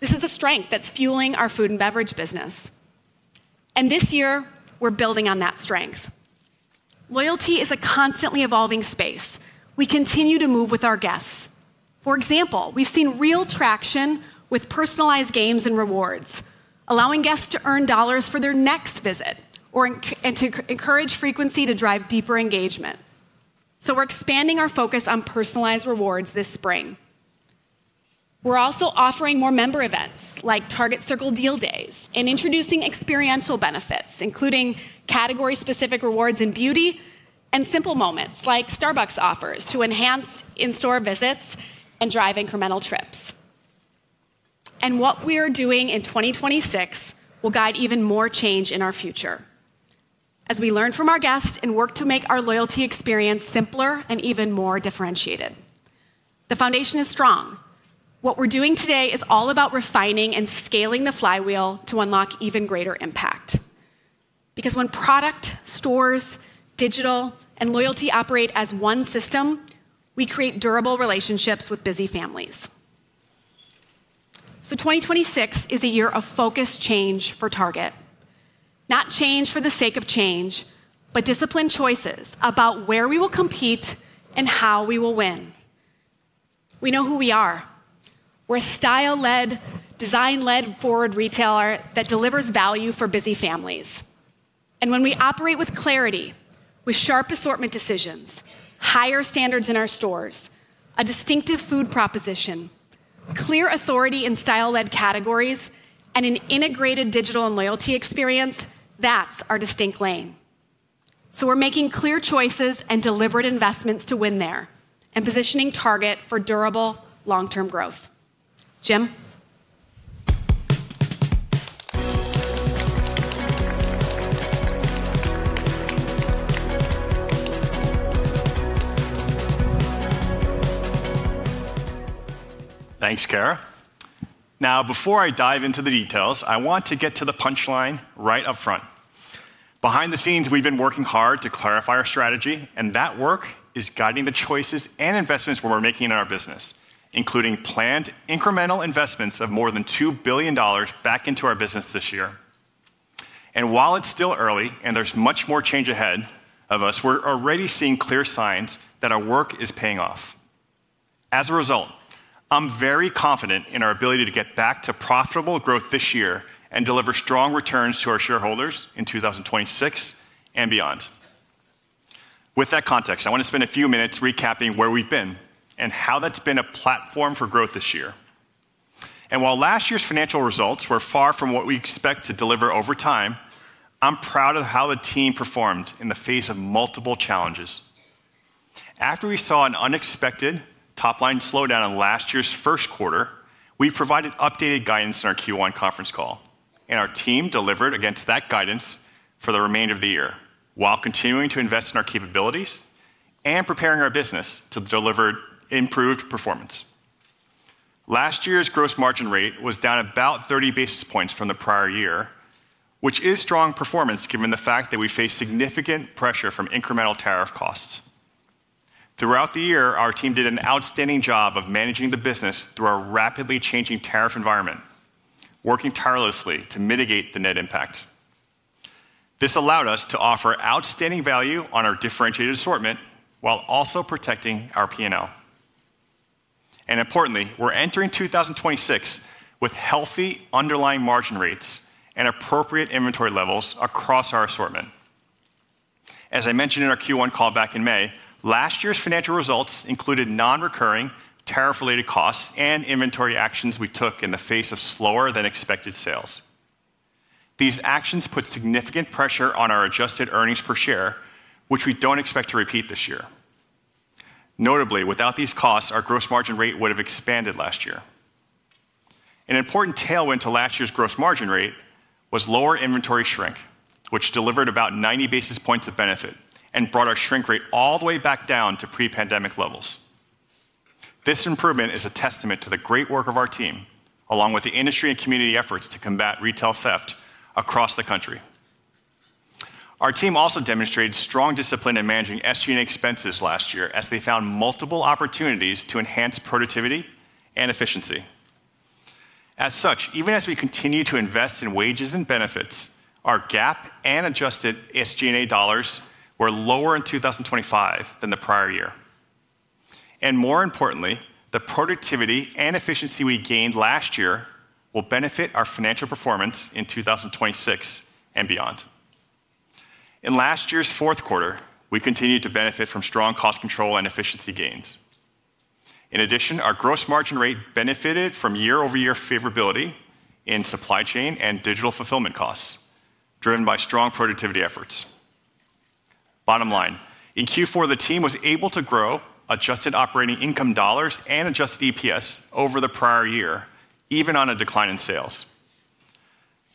This is a strength that's fueling our food and beverage business, and this year, we're building on that strength. Loyalty is a constantly evolving space. We continue to move with our guests. For example, we've seen real traction with personalized games and rewards, allowing guests to earn dollars for their next visit or encourage frequency to drive deeper engagement. We're expanding our focus on personalized rewards this spring. We're also offering more member events like Target Circle Deal Days and introducing experiential benefits, including category-specific rewards in beauty and simple moments like Starbucks offers to enhance in-store visits and drive incremental trips. What we are doing in 2026 will guide even more change in our future as we learn from our guests and work to make our loyalty experience simpler and even more differentiated. The foundation is strong. What we're doing today is all about refining and scaling the flywheel to unlock even greater impact. When product, stores, digital, and loyalty operate as one system, we create durable relationships with busy families. 2026 is a year of focused change for Target. Not change for the sake of change, but disciplined choices about where we will compete and how we will win. We know who we are. We're a style-led, design-led, forward retailer that delivers value for busy families. And when we operate with clarity, with sharp assortment decisions, higher standards in our stores, a distinctive food proposition, clear authority in style-led categories, and an integrated digital and loyalty experience, that's our distinct lane. We're making clear choices and deliberate investments to win there and positioning Target for durable long-term growth. Jim. Thanks, Cara. Before I dive into the details, I want to get to the punch line right up front. Behind the scenes, we've been working hard to clarify our strategy, and that work is guiding the choices and investments we're making in our business, including planned incremental investments of more than $2 billion back into our business this year. While it's still early and there's much more change ahead of us, we're already seeing clear signs that our work is paying off. As a result, I'm very confident in our ability to get back to profitable growth this year and deliver strong returns to our shareholders in 2026 and beyond. With that context, I want to spend a few minutes recapping where we've been and how that's been a platform for growth this year. While last year's financial results were far from what we expect to deliver over time, I'm proud of how the team performed in the face of multiple challenges. After we saw an unexpected top-line slowdown in last year's Q1, we provided updated guidance in our Q1 conference call, and our team delivered against that guidance for the remainder of the year while continuing to invest in our capabilities and preparing our business to deliver improved performance. Last year's gross margin rate was down about 30 basis points from the prior year, which is strong performance given the fact that we face significant pressure from incremental tariff costs. Throughout the year, our team did an outstanding job of managing the business through our rapidly changing tariff environment, working tirelessly to mitigate the net impact. This allowed us to offer outstanding value on our differentiated assortment while also protecting our P&L. Importantly, we're entering 2026 with healthy underlying margin rates and appropriate inventory levels across our assortment. As I mentioned in our Q1 call back in May, last year's financial results included non-recurring tariff-related costs and inventory actions we took in the face of slower than expected sales. These actions put significant pressure on our adjusted earnings per share, which we don't expect to repeat this year. Notably, without these costs, our gross margin rate would have expanded last year. An important tailwind to last year's gross margin rate was lower inventory shrink, which delivered about 90 basis points of benefit and brought our shrink rate all the way back down to pre-pandemic levels. This improvement is a testament to the great work of our team, along with the industry and community efforts to combat retail theft across the country. Our team also demonstrated strong discipline in managing SG&A expenses last year as they found multiple opportunities to enhance productivity and efficiency. As such, even as we continue to invest in wages and benefits, our GAAP and adjusted SG&A dollars were lower in 2025 than the prior year. More importantly, the productivity and efficiency we gained last year will benefit our financial performance in 2026 and beyond. In last year's Q4, we continued to benefit from strong cost control and efficiency gains. In addition, our gross margin rate benefited from year-over-year favorability in supply chain and digital fulfillment costs, driven by strong productivity efforts. Bottom line, in Q4, the team was able to grow adjusted operating income dollars and adjusted EPS over the prior year, even on a decline in sales.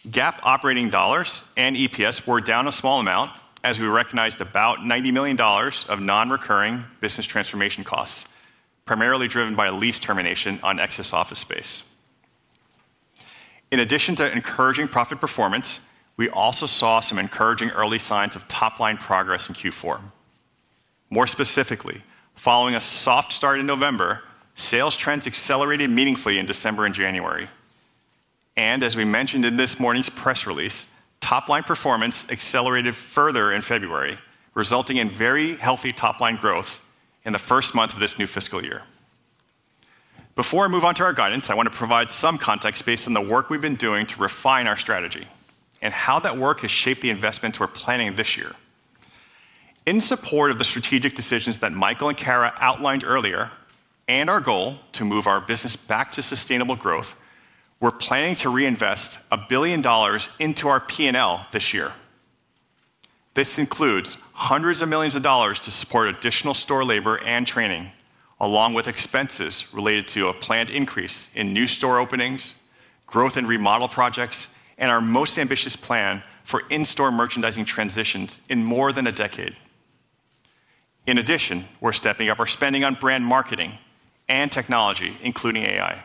GAAP operating dollars and EPS were down a small amount as we recognized about $90 million of non-recurring business transformation costs, primarily driven by a lease termination on excess office space. In addition to encouraging profit performance, we also saw some encouraging early signs of top-line progress in Q4. More specifically, following a soft start in November, sales trends accelerated meaningfully in December and January. As we mentioned in this morning's press release, top-line performance accelerated further in February, resulting in very healthy top-line growth in the first month of this new fiscal year. Before I move on to our guidance, I wanna provide some context based on the work we've been doing to refine our strategy and how that work has shaped the investment we're planning this year. In support of the strategic decisions that Michael and Cara outlined earlier, and our goal to move our business back to sustainable growth, we're planning to reinvest $1 billion into our P&L this year. This includes $hundreds of millions to support additional store labor and training, along with expenses related to a planned increase in new store openings, growth and remodel projects, and our most ambitious plan for in-store merchandising transitions in more than a decade. In addition, we're stepping up our spending on brand marketing and technology, including AI.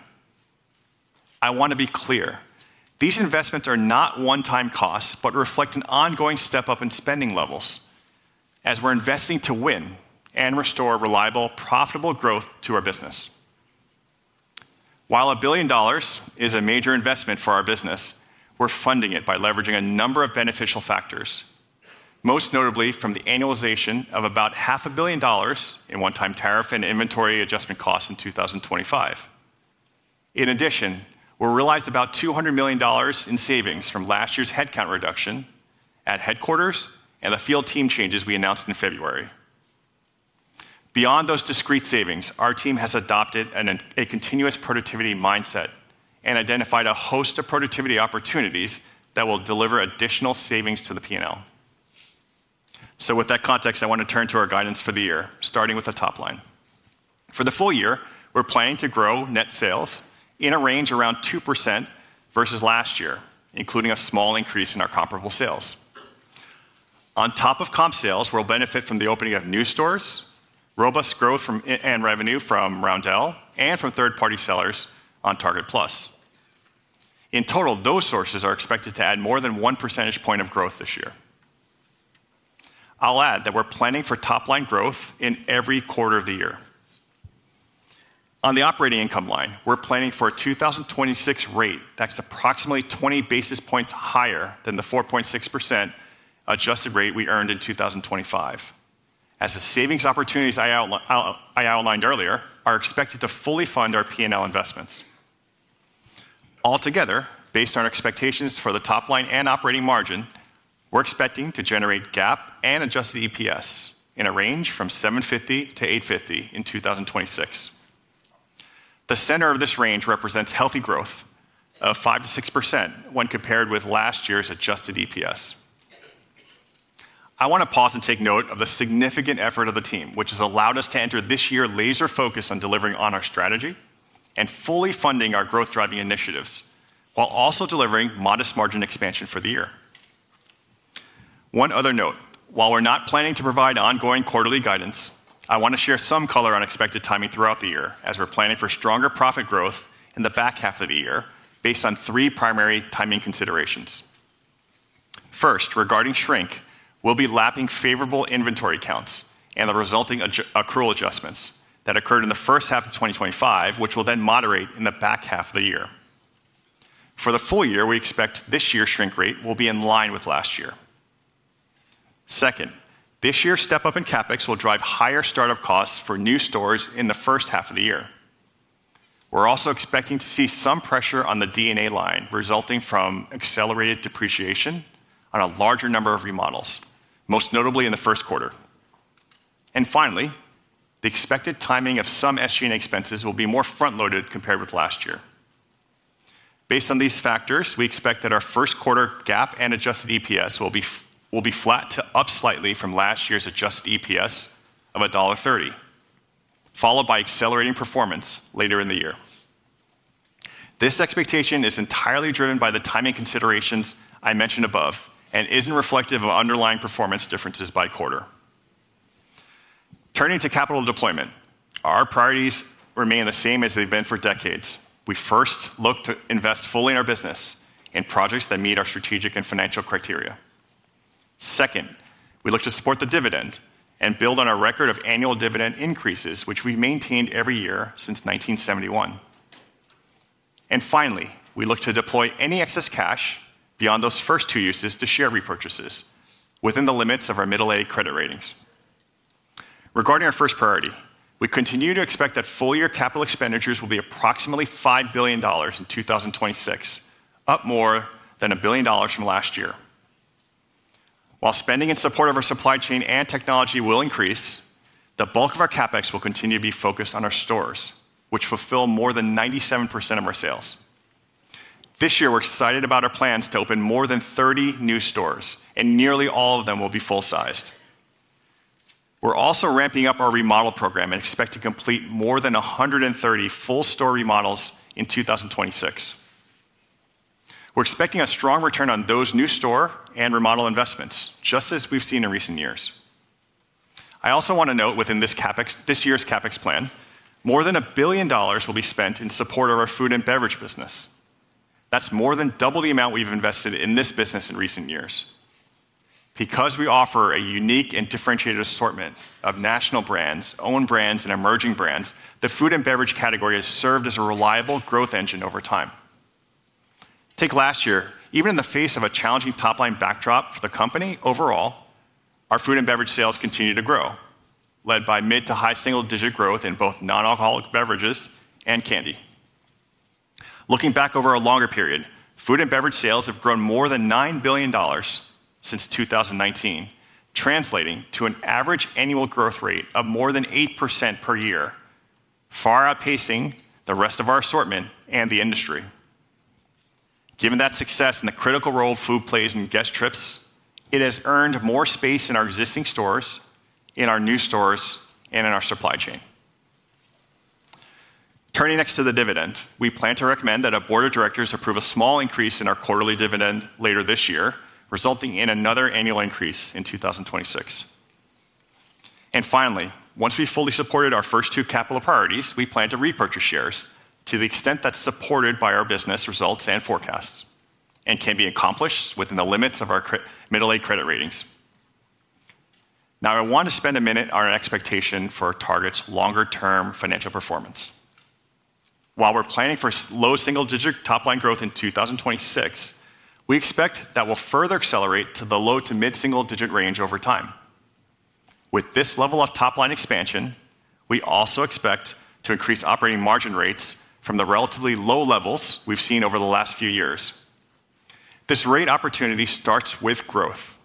I wanna be clear, these investments are not one-time costs but reflect an ongoing step-up in spending levels as we're investing to win and restore reliable, profitable growth to our business. While $1 billion is a major investment for our business, we're funding it by leveraging a number of beneficial factors, most notably from the annualization of about half a billion dollars in one-time tariff and inventory adjustment costs in 2025. In addition, we'll realize about $200 million in savings from last year's headcount reduction at headquarters and the field team changes we announced in February. Beyond those discrete savings, our team has adopted a continuous productivity mindset and identified a host of productivity opportunities that will deliver additional savings to the P&L. With that context, I want to turn to our guidance for the year, starting with the top line. For the full year, we're planning to grow net sales in a range around 2% versus last year, including a small increase in our comparable sales. On top of comp sales, we'll benefit from the opening of new stores, and revenue from Roundel and from third-party sellers on Target Plus. In total, those sources are expected to add more than 1 percentage point of growth this year. I'll add that we're planning for top-line growth in every quarter of the year. On the operating income line, we're planning for a 2026 rate that's approximately 20 basis points higher than the 4.6% adjusted rate we earned in 2025, as the savings opportunities I outlined earlier are expected to fully fund our P&L investments. Altogether, based on our expectations for the top line and operating margin, we're expecting to generate GAAP and adjusted EPS in a range from $7.50-$8.50 in 2026. The center of this range represents healthy growth of 5%-6% when compared with last year's adjusted EPS. I want to pause and take note of the significant effort of the team, which has allowed us to enter this year laser-focused on delivering on our strategy and fully funding our growth-driving initiatives while also delivering modest margin expansion for the year. One other note. While we're not planning to provide ongoing quarterly guidance, I wanna share some color on expected timing throughout the year, as we're planning for stronger profit growth in the back half of the year based on three primary timing considerations. First, regarding shrink, we'll be lapping favorable inventory counts and the resulting accrual adjustments that occurred in the first half of 2025, which will then moderate in the back half of the year. For the full year, we expect this year's shrink rate will be in line with last year. Second, this year's step-up in CapEx will drive higher start-up costs for new stores in the first half of the year. We're also expecting to see some pressure on the D&A line resulting from accelerated depreciation on a larger number of remodels, most notably in the Q1. Finally, the expected timing of some SG&A expenses will be more front-loaded compared with last year. Based on these factors, we expect that our Q1 GAAP and adjusted EPS will be flat to up slightly from last year's adjusted EPS of $1.30, followed by accelerating performance later in the year. This expectation is entirely driven by the timing considerations I mentioned above and isn't reflective of underlying performance differences by quarter. Turning to capital deployment, our priorities remain the same as they've been for decades. We first look to invest fully in our business in projects that meet our strategic and financial criteria. Second, we look to support the dividend and build on our record of annual dividend increases, which we've maintained every year since 1971. Finally, we look to deploy any excess cash beyond those first two uses to share repurchases within the limits of our middle A credit ratings. Regarding our first priority, we continue to expect that full-year capital expenditures will be approximately $5 billion in 2026, up more than $1 billion from last year. While spending in support of our supply chain and technology will increase, the bulk of our CapEx will continue to be focused on our stores, which fulfill more than 97% of our sales. This year, we're excited about our plans to open more than 30 new stores. Nearly all of them will be full-sized. We're also ramping up our remodel program. We expect to complete more than 130 full-store remodels in 2026. We're expecting a strong return on those new store and remodel investments, just as we've seen in recent years. I also wanna note within this CapEx, this year's CapEx plan, more than $1 billion will be spent in support of our food and beverage business. That's more than double the amount we've invested in this business in recent years. Because we offer a unique and differentiated assortment of national brands, own brands, and emerging brands, the food and beverage category has served as a reliable growth engine over time. Take last year. Even in the face of a challenging top-line backdrop for the company overall, our food and beverage sales continued to grow, led by mid- to high single-digit growth in both non-alcoholic beverages and candy. Looking back over a longer period, food and beverage sales have grown more than $9 billion since 2019, translating to an average annual growth rate of more than 8% per year, far outpacing the rest of our assortment and the industry. Given that success and the critical role food plays in guest trips, it has earned more space in our existing stores, in our new stores, and in our supply chain. Turning next to the dividend, we plan to recommend that our board of directors approve a small increase in our quarterly dividend later this year, resulting in another annual increase in 2026. Finally, once we've fully supported our first two capital priorities, we plan to repurchase shares to the extent that's supported by our business results and forecasts and can be accomplished within the limits of our middle-A credit ratings. Now, I want to spend a minute on our expectation for Target's longer-term financial performance. While we're planning for low single-digit top-line growth in 2026, we expect that we'll further accelerate to the low to mid single-digit range over time. With this level of top-line expansion, we also expect to increase operating margin rates from the relatively low levels we've seen over the last few years. This rate opportunity starts with growth,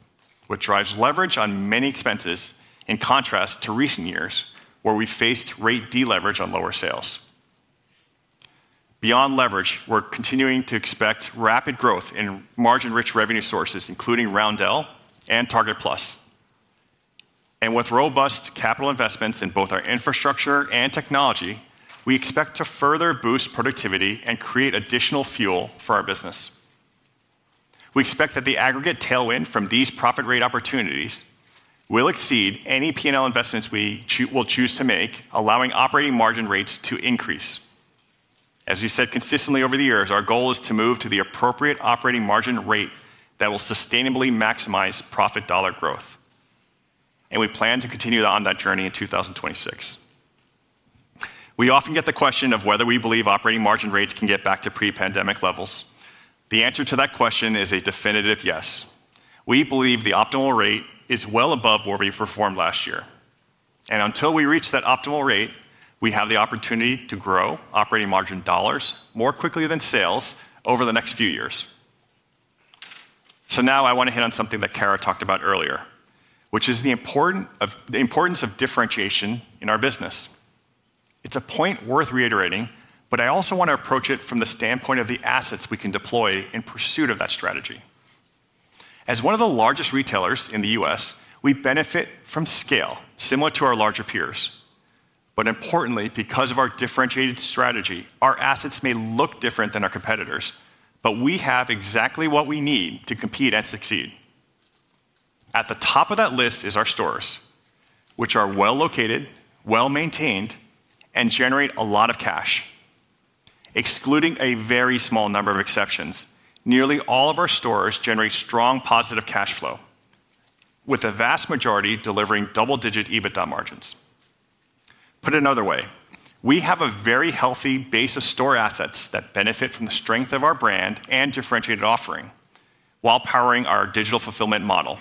which drives leverage on many expenses, in contrast to recent years where we faced rate deleverage on lower sales. Beyond leverage, we're continuing to expect rapid growth in margin-rich revenue sources, including Roundel and Target Plus. With robust capital investments in both our infrastructure and technology, we expect to further boost productivity and create additional fuel for our business. We expect that the aggregate tailwind from these profit rate opportunities will exceed any P&L investments we will choose to make, allowing operating margin rates to increase. We said consistently over the years, our goal is to move to the appropriate operating margin rate that will sustainably maximize profit dollar growth, and we plan to continue on that journey in 2026. We often get the question of whether we believe operating margin rates can get back to pre-pandemic levels. The answer to that question is a definitive yes. We believe the optimal rate is well above where we performed last year, until we reach that optimal rate, we have the opportunity to grow operating margin dollars more quickly than sales over the next few years. Now I want to hit on something that Cara talked about earlier, which is the importance of differentiation in our business. It's a point worth reiterating, but I also want to approach it from the standpoint of the assets we can deploy in pursuit of that strategy. As one of the largest retailers in the U.S., we benefit from scale similar to our larger peers. Importantly, because of our differentiated strategy, our assets may look different than our competitors', but we have exactly what we need to compete and succeed. At the top of that list is our stores, which are well-located, well-maintained, and generate a lot of cash. Excluding a very small number of exceptions, nearly all of our stores generate strong positive cash flow, with the vast majority delivering double-digit EBITDA margins. Put another way, we have a very healthy base of store assets that benefit from the strength of our brand and differentiated offering while powering our digital fulfillment model.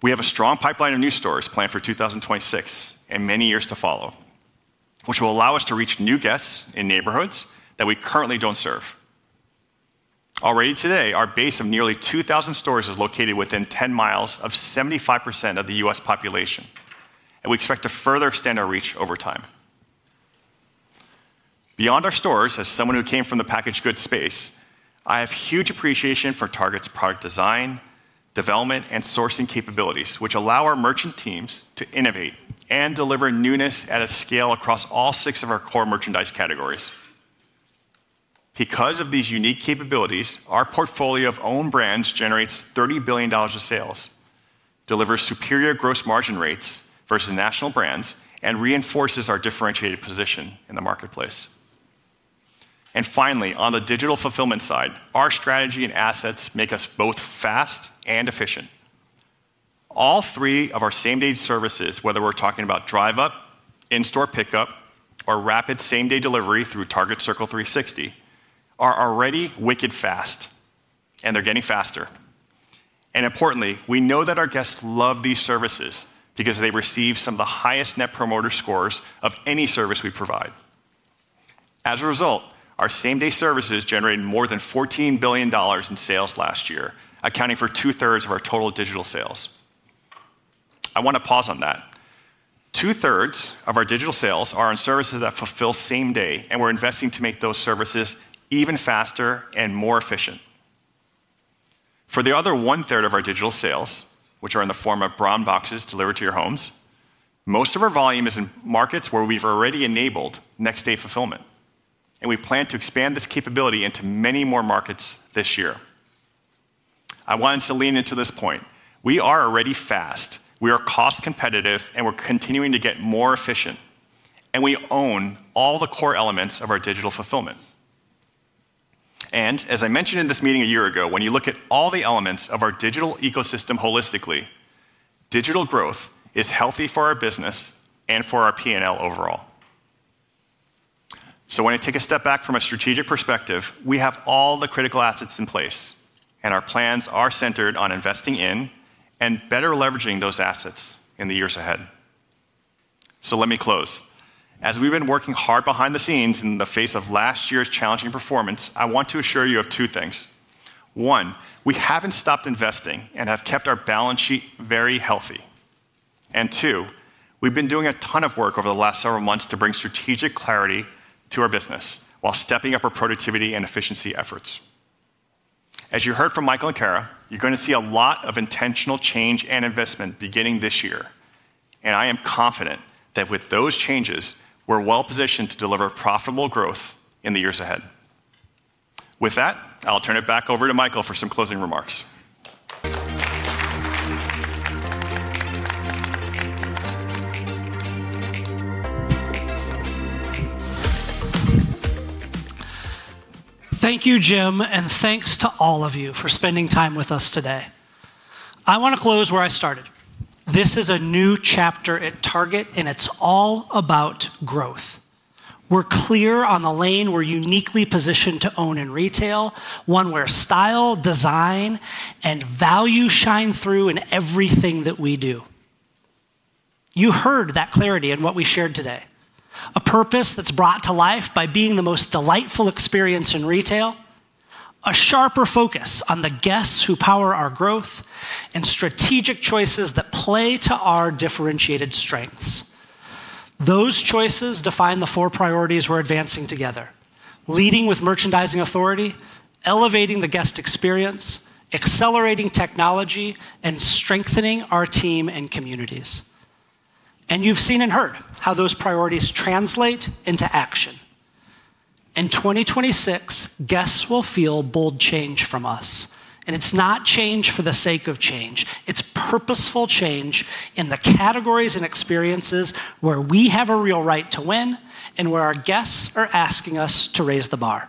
We have a strong pipeline of new stores planned for 2026 and many years to follow, which will allow us to reach new guests in neighborhoods that we currently don't serve. Already today, our base of nearly 2,000 stores is located within 10 mi of 75% of the U.S. population. We expect to further extend our reach over time. Beyond our stores, as someone who came from the packaged goods space, I have huge appreciation for Target's product design, development, and sourcing capabilities, which allow our merchant teams to innovate and deliver newness at a scale across all 6 of our core merchandise categories. Because of these unique capabilities, our portfolio of own brands generates $30 billion of sales, delivers superior gross margin rates versus national brands, and reinforces our differentiated position in the marketplace. Finally, on the digital fulfillment side, our strategy and assets make us both fast and efficient. All three of our same-day services, whether we're talking about Drive Up, in-store pickup, or rapid same-day delivery through Target Circle 360, are already wicked fast, and they're getting faster. Importantly, we know that our guests love these services because they receive some of the highest Net Promoter Scores of any service we provide. As a result, our same-day services generated more than $14 billion in sales last year, accounting for two-thirds of our total digital sales. I want to pause on that. Two-thirds of our digital sales are in services that fulfill same day. We're investing to make those services even faster and more efficient. For the other one-third of our digital sales, which are in the form of brown boxes delivered to your homes, most of our volume is in markets where we've already enabled next-day fulfillment. We plan to expand this capability into many more markets this year. I wanted to lean into this point. We are already fast, we are cost competitive, and we're continuing to get more efficient, and we own all the core elements of our digital fulfillment. As I mentioned in this meeting a year ago, when you look at all the elements of our digital ecosystem holistically, digital growth is healthy for our business and for our P&L overall. When I take a step back from a strategic perspective, we have all the critical assets in place, and our plans are centered on investing in and better leveraging those assets in the years ahead. Let me close. As we've been working hard behind the scenes in the face of last year's challenging performance, I want to assure you of two things. One, we haven't stopped investing and have kept our balance sheet very healthy. Two, we've been doing a ton of work over the last several months to bring strategic clarity to our business while stepping up our productivity and efficiency efforts. As you heard from Michael and Cara, you're going to see a lot of intentional change and investment beginning this year, I am confident that with those changes, we're well-positioned to deliver profitable growth in the years ahead. With that, I'll turn it back over to Michael for some closing remarks. Thank you, Jim, and thanks to all of you for spending time with us today. I want to close where I started. This is a new chapter at Target, and it's all about growth. We're clear on the lane we're uniquely positioned to own in retail, one where style, design, and value shine through in everything that we do. You heard that clarity in what we shared today. A purpose that's brought to life by being the most delightful experience in retail, a sharper focus on the guests who power our growth, and strategic choices that play to our differentiated strengths. Those choices define the four priorities we're advancing together: leading with merchandising authority, elevating the guest experience, accelerating technology, and strengthening our team and communities. You've seen and heard how those priorities translate into action. In 2026, guests will feel bold change from us, and it's not change for the sake of change. It's purposeful change in the categories and experiences where we have a real right to win and where our guests are asking us to raise the bar.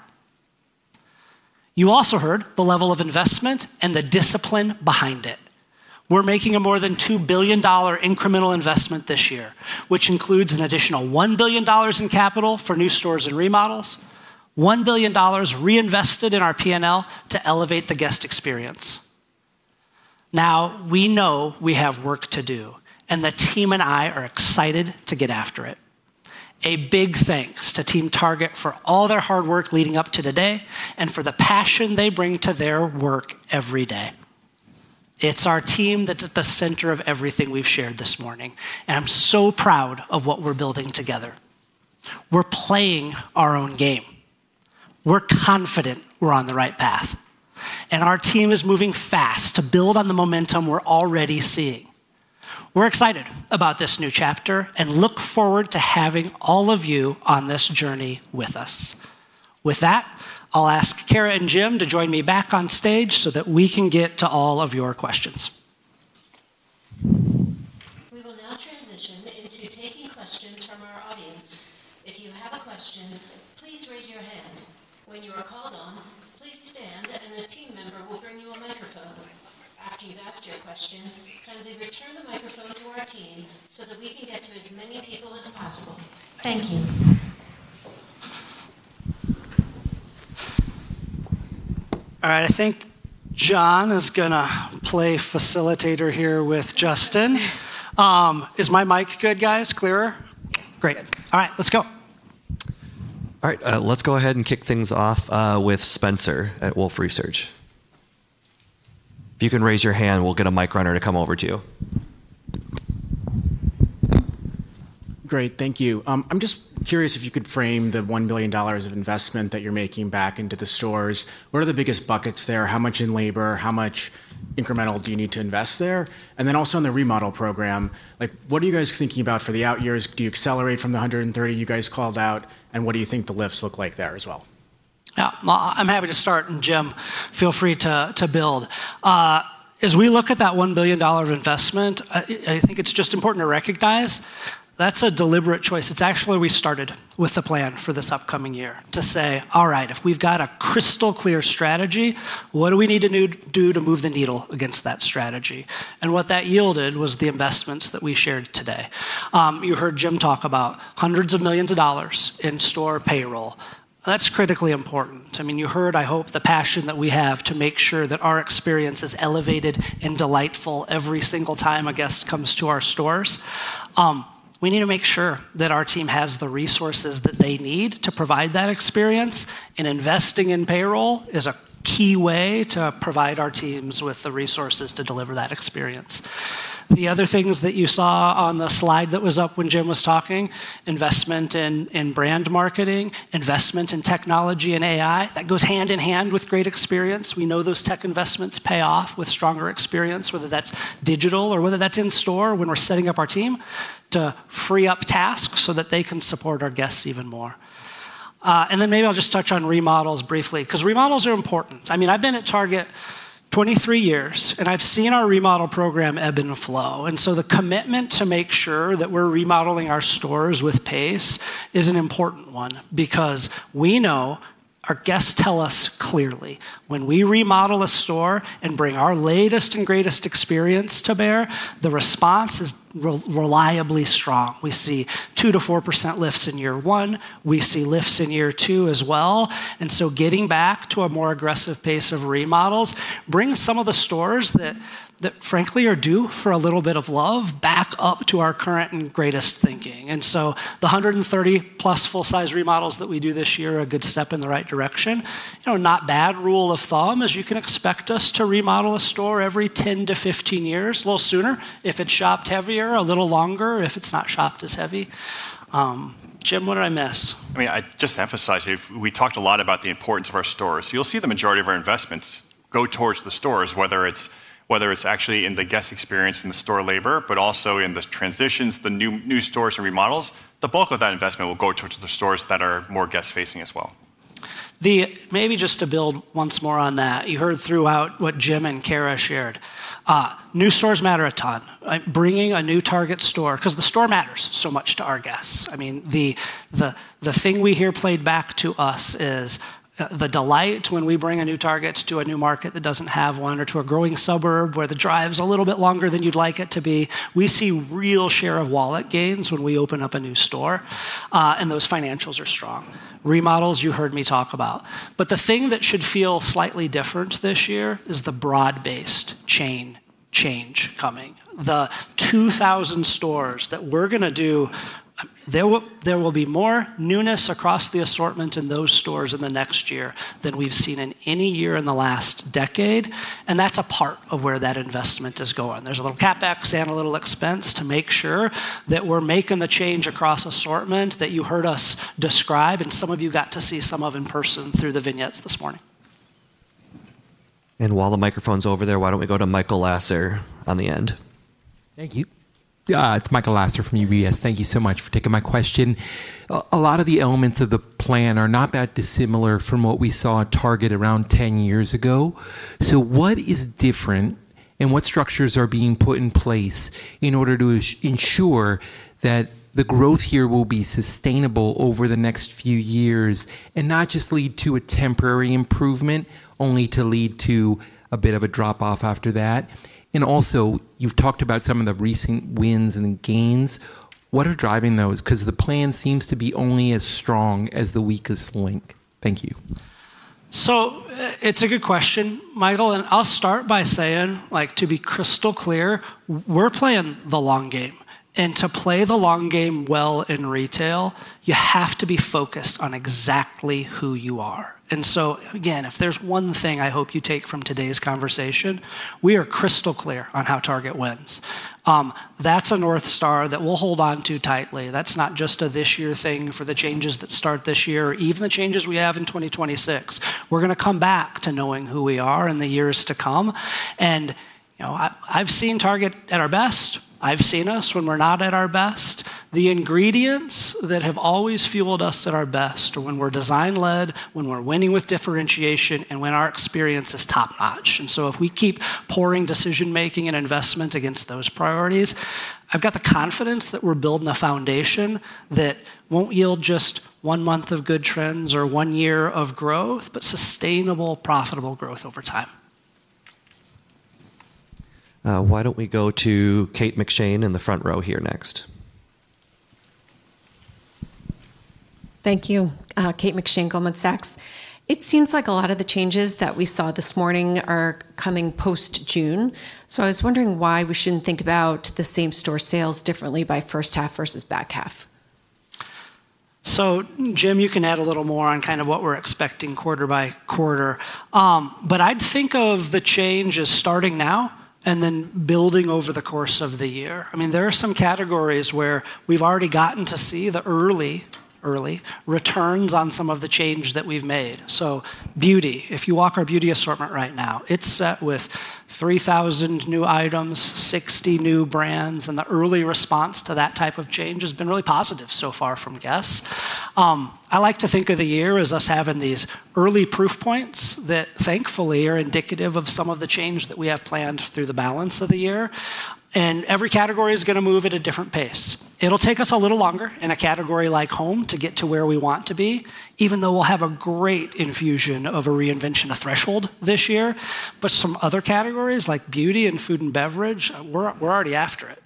You also heard the level of investment and the discipline behind it. We're making a more than $2 billion incremental investment this year, which includes an additional $1 billion in capital for new stores and remodels, $1 billion reinvested in our P&L to elevate the guest experience. Now, we know we have work to do, and the team and I are excited to get after it. A big thanks to Team Target for all their hard work leading up to today and for the passion they bring to their work every day. It's our team that's at the center of everything we've shared this morning, and I'm so proud of what we're building together. We're playing our own game. We're confident we're on the right path, and our team is moving fast to build on the momentum we're already seeing. We're excited about this new chapter and look forward to having all of you on this journey with us. With that, I'll ask Cara and Jim to join me back on stage so that we can get to all of your questions. We will now transition into taking questions from our audience. If you have a question, please raise your hand. When you are called on, please stand and a team member will bring you a microphone. After you've asked your question, kindly return the microphone to our team so that we can get to as many people as possible. Thank you. All right. I think John is gonna play facilitator here with Justin. Is my mic good, guys? Clearer? Great. All right, let's go. All right. Let's go ahead and kick things off with Spencer at Wolfe Research. If you can raise your hand, we'll get a mic runner to come over to you. Great. Thank you. I'm just curious if you could frame the $1 billion of investment that you're making back into the stores. What are the biggest buckets there? How much in labor? How much incremental do you need to invest there? Then also in the remodel program, like, what are you guys thinking about for the out years? Do you accelerate from the 130 you guys called out, and what do you think the lifts look like there as well? Yeah. Well, I'm happy to start. Jim, feel free to build. As we look at that $1 billion investment, I think it's just important to recognize that's a deliberate choice. It's actually where we started with the plan for this upcoming year to say, "All right. If we've got a crystal-clear strategy, what do we need to do to move the needle against that strategy?" What that yielded was the investments that we shared today. You heard Jim talk about hundreds of millions of dollars in store payroll. That's critically important. I mean, you heard, I hope, the passion that we have to make sure that our experience is elevated and delightful every single time a guest comes to our stores. We need to make sure that our team has the resources that they need to provide that experience, investing in payroll is a keyway to provide our teams with the resources to deliver that experience. The other things that you saw on the slide that was up when Jim was talking, investment in brand marketing, investment in technology and AI, that goes hand in hand with great experience. We know that tech investments pay off with stronger experience, whether that's digital or whether that's in store when we're setting up our team to free up tasks so that they can support our guests even more. Maybe I'll just touch on remodels briefly, cause remodels are important. I mean, I've been at Target 23 years, I've seen our remodel program ebb and flow. The commitment to make sure that we're remodeling our stores with pace is an important one because we know, our guests tell us clearly, when we remodel a store and bring our latest and greatest experience to bear, the response is reliably strong. We see 2%-4% lifts in year one. We see lifts in year two as well. Getting back to a more aggressive pace of remodels brings some of the stores that frankly are due for a little bit of love back up to our current and greatest thinking. The 130+ full-size remodels that we do this year are a good step in the right direction. You know, not bad rule of thumb is you can expect us to remodel a store every 10-15 years. A little sooner if it's shopped heavier, a little longer if it's not shopped as heavy. Jim, what did I miss? I mean, I'd just emphasize, we talked a lot about the importance of our stores. You'll see the majority of our investments go towards the stores, whether it's, whether it's actually in the guest experience, in the store labor, but also in the transitions, the new stores and remodels. The bulk of that investment will go towards the stores that are more guest-facing as well. Maybe just to build once more on that. You heard throughout what Jim and Cara shared. New stores matter a ton. Bringing a new Target store, 'cause the store matters so much to our guests. I mean, the thing we hear played back to us is the delight when we bring a new Target to a new market that doesn't have one or to a growing suburb where the drive's a little bit longer than you'd like it to be. We see real share of wallet gains when we open up a new store, and those financials are strong. Remodels, you heard me talk about. The thing that should feel slightly different this year is the broad-based chain change coming. The 2,000 stores that we're gonna do. There will be more newness across the assortment in those stores in the next year than we've seen in any year in the last decade, and that's a part of where that investment is going. There's a little CapEx and a little expense to make sure that we're making the change across assortment that you heard us describe and some of you got to see some of in person through the vignettes this morning. While the microphone's over there, why don't we go to Michael Lasser on the end? Thank you. It's Michael Lasser from UBS. Thank you so much for taking my question. A lot of the elements of the plan are not that dissimilar from what we saw at Target around 10 years ago. What is different, and what structures are being put in place in order to ensure that the growth here will be sustainable over the next few years and not just lead to a temporary improvement, only to lead to a bit of a drop-off after that? You've talked about some of the recent wins and gains. What are driving those? 'Cause the plan seems to be only as strong as the weakest link. Thank you. It's a good question, Michael, I'll start by saying, like, to be crystal clear, we're playing the long game. To play the long game well in retail, you have to be focused on exactly who you are. Again, if there's one thing I hope you take from today's conversation, we are crystal clear on how Target wins. That's a North Star that we'll hold on to tightly. That's not just a this year thing for the changes that start this year or even the changes we have in 2026. We're gonna come back to knowing who we are in the years to come. You know, I've seen Target at our best. I've seen us when we're not at our best. The ingredients that have always fueled us at our best are when we're design-led, when we're winning with differentiation, and when our experience is top-notch. If we keep pouring decision-making and investment against those priorities, I've got the confidence that we're building a foundation that won't yield just one month of good trends or one year of growth, but sustainable, profitable growth over time. Why don't we go to Kate McShane in the front row here next? Thank you. Kate McShane, Goldman Sachs. It seems like a lot of the changes that we saw this morning are coming post-June, so I was wondering why we shouldn't think about the same store sales differently by first half versus back half. Jim, you can add a little more on kind of what we're expecting quarter-by-quarter. I'd think of the change as starting now and then building over the course of the year. I mean, there are some categories where we've already gotten to see the early returns on some of the change that we've made. Beauty, if you walk our beauty assortment right now, it's set with 3,000 new items, 60 new brands, and the early response to that type of change has been really positive so far from guests. I like to think of the year as us having these early proof points that thankfully are indicative of some of the change that we have planned through the balance of the year, and every category is gonna move at a different pace. It'll take us a little longer in a category like home to get to where we want to be, even though we'll have a great infusion of a reinvention of Threshold this year. Some other categories, like beauty and food and beverage, we're already after it.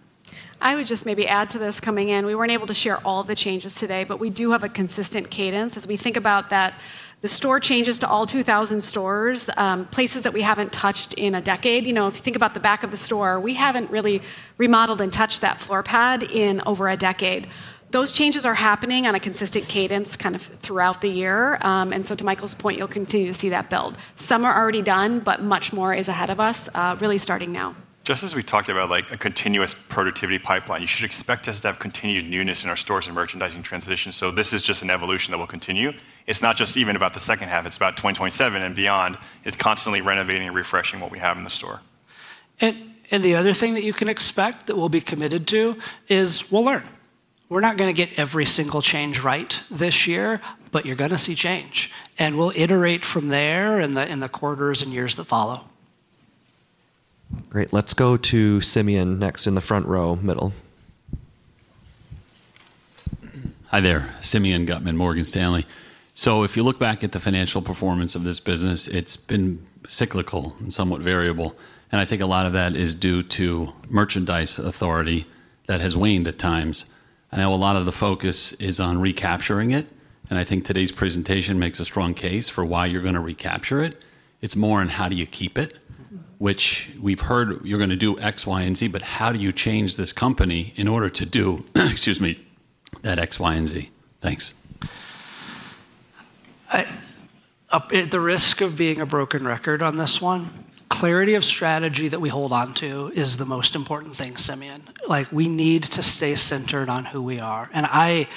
I would just maybe add to this coming in, we weren't able to share all the changes today. We do have a consistent cadence as we think about that the store changes to all 2,000 stores, places that we haven't touched in a decade. You know, if you think about the back of the store, we haven't really remodeled and touched that floor pad in over a decade. Those changes are happening on a consistent cadence kind of throughout the year. To Michael's point, you'll continue to see that build. Some are already done, but much more is ahead of us, really starting now. Just as we talked about, like, a continuous productivity pipeline, you should expect us to have continued newness in our stores and merchandising transitions. This is just an evolution that will continue. It's not just even about the second half, it's about 2027 and beyond. It's constantly renovating and refreshing what we have in the store. The other thing that you can expect that we'll be committed to is we'll learn. We're not gonna get every single change right this year, but you're gonna see change, and we'll iterate from there in the quarters and years that follow. Great. Let's go to Simeon next in the front row, middle. Hi there. Simeon Gutman, Morgan Stanley. If you look back at the financial performance of this business, it's been cyclical and somewhat variable, and I think a lot of that is due to merchandise authority that has waned at times. I know a lot of the focus is on recapturing it, and I think today's presentation makes a strong case for why you're gonna recapture it. It's more on how do you keep it- Mm-hmm. Which we've heard you're gonna do X, Y, and Z, but how do you change this company in order to do, excuse me, that X, Y, and Z? Thanks. At the risk of being a broken record on this one, clarity of strategy that we hold onto is the most important thing, Simeon. Like, we need to stay centered on who we are, and I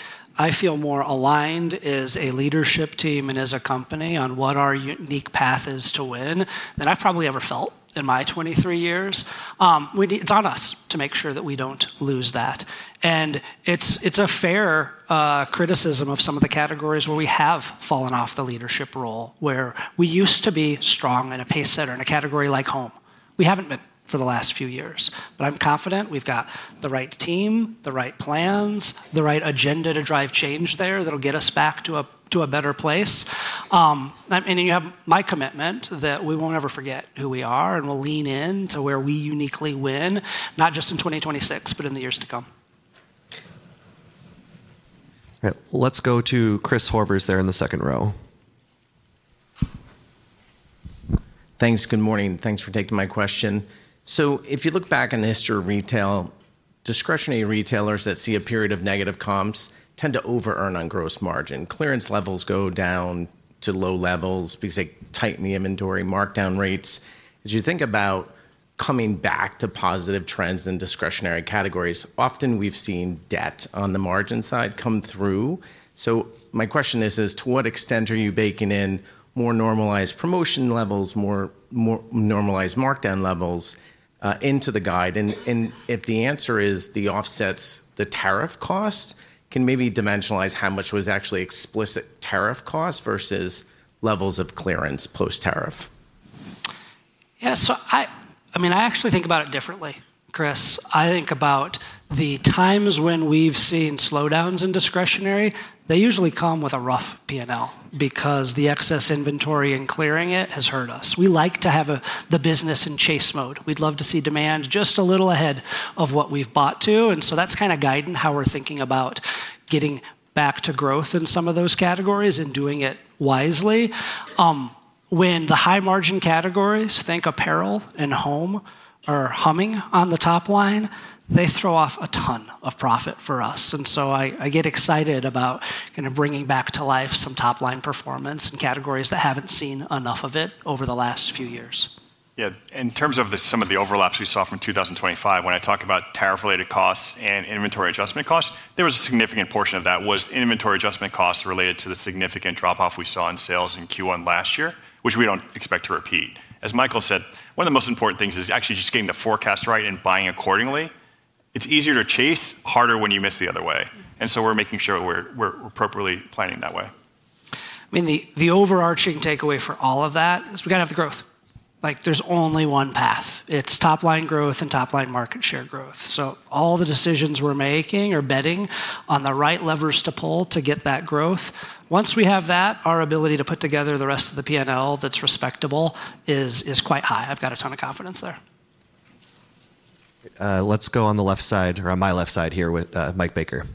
feel more aligned as a leadership team and as a company on what our unique path is to win than I've probably ever felt in my 23 years. It's on us to make sure that we don't lose that. It's, it's a fair criticism of some of the categories where we have fallen off the leadership role, where we used to be strong and a pace setter in a category like home. We haven't been for the last few years, but I'm confident we've got the right team, the right plans, the right agenda to drive change there that'll get us back to a, to a better place. You have my commitment that we won't ever forget who we are, and we'll lean in to where we uniquely win, not just in 2026, but in the years to come. All right, let's go to Chris Horvers there in the second row. Thanks. Good morning, and thanks for taking my question. If you look back on the history of retail, discretionary retailers that see a period of negative comps tend to over earn on gross margin. Clearance levels go down to low levels because they tighten the inventory markdown rates. As you think about coming back to positive trends in discretionary categories, often we've seen debt on the margin side come through. My question is to what extent are you baking in more normalized promotion levels, more normalized markdown levels into the guide? If the answer is the offsets the tariff costs, can maybe dimensionalize how much was actually explicit tariff costs versus levels of clearance post-tariff? I mean, I actually think about it differently, Chris. I think about the times when we've seen slowdowns in discretionary, they usually come with a rough P&L because the excess inventory and clearing it has hurt us. We like to have the business in chase mode. We'd love to see demand just a little ahead of what we've bought to. That's kinda guiding how we're thinking about getting back to growth in some of those categories and doing it wisely. When the high margin categories, think apparel and home, are humming on the top line, they throw off a ton of profit for us. I get excited about kinda bringing back to life some top-line performance in categories that haven't seen enough of it over the last few years. Yeah. In terms of the some of the overlaps we saw from 2025, when I talk about tariff-related costs and inventory adjustment costs, there was a significant portion of that was inventory adjustment costs related to the significant drop-off we saw in sales in Q1 last year, which we don't expect to repeat. As Michael said, one of the most important things is actually just getting the forecast right and buying accordingly. It's easier to chase, harder when you miss the other way. We're making sure we're appropriately planning that way. I mean, the overarching takeaway for all of that is we gotta have the growth. Like, there's only one path. It's top-line growth and top-line market share growth. All the decisions we're making are betting on the right levers to pull to get that growth. Once we have that, our ability to put together the rest of the P&L that's respectable is quite high. I've got a ton of confidence there. Let's go on the left side or on my left side here with Mike Baker.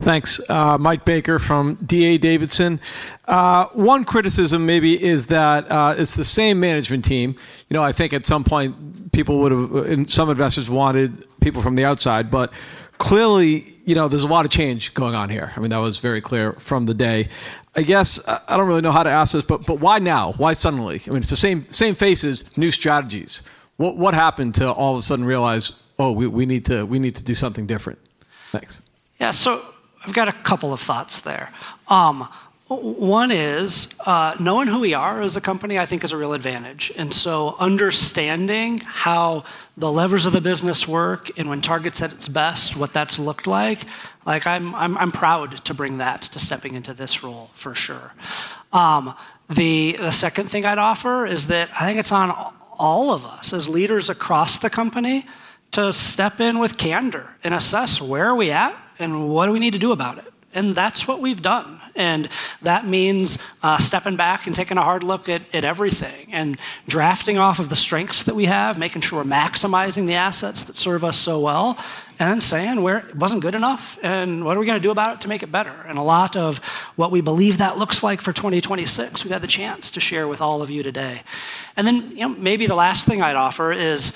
Thanks. Mike Baker from D.A. Davidson. One criticism maybe is that, it's the same management team. You know, I think at some point and some investors wanted people from the outside. Clearly, you know, there's a lot of change going on here. I mean, that was very clear from the day. I guess, I don't really know how to ask this, why now? Why suddenly? I mean, it's the same faces, new strategies. What happened to all of a sudden realize, oh, we need to do something different? Thanks. Yeah. I've got a couple of thoughts there. One is knowing who we are as a company, I think is a real advantage. Understanding how the levers of the business work and when Target's at its best, what that's looked like, I'm proud to bring that to stepping into this role for sure. The second thing I'd offer is that I think it's on all of us as leaders across the company to step in with candor and assess where are we at and what do we need to do about it, and that's what we've done. That means stepping back and taking a hard look at everything and drafting off of the strengths that we have, making sure we're maximizing the assets that serve us so well, and saying where it wasn't good enough and what are we gonna do about it to make it better. A lot of what we believe that looks like for 2026, we got the chance to share with all of you today. You know, maybe the last thing I'd offer is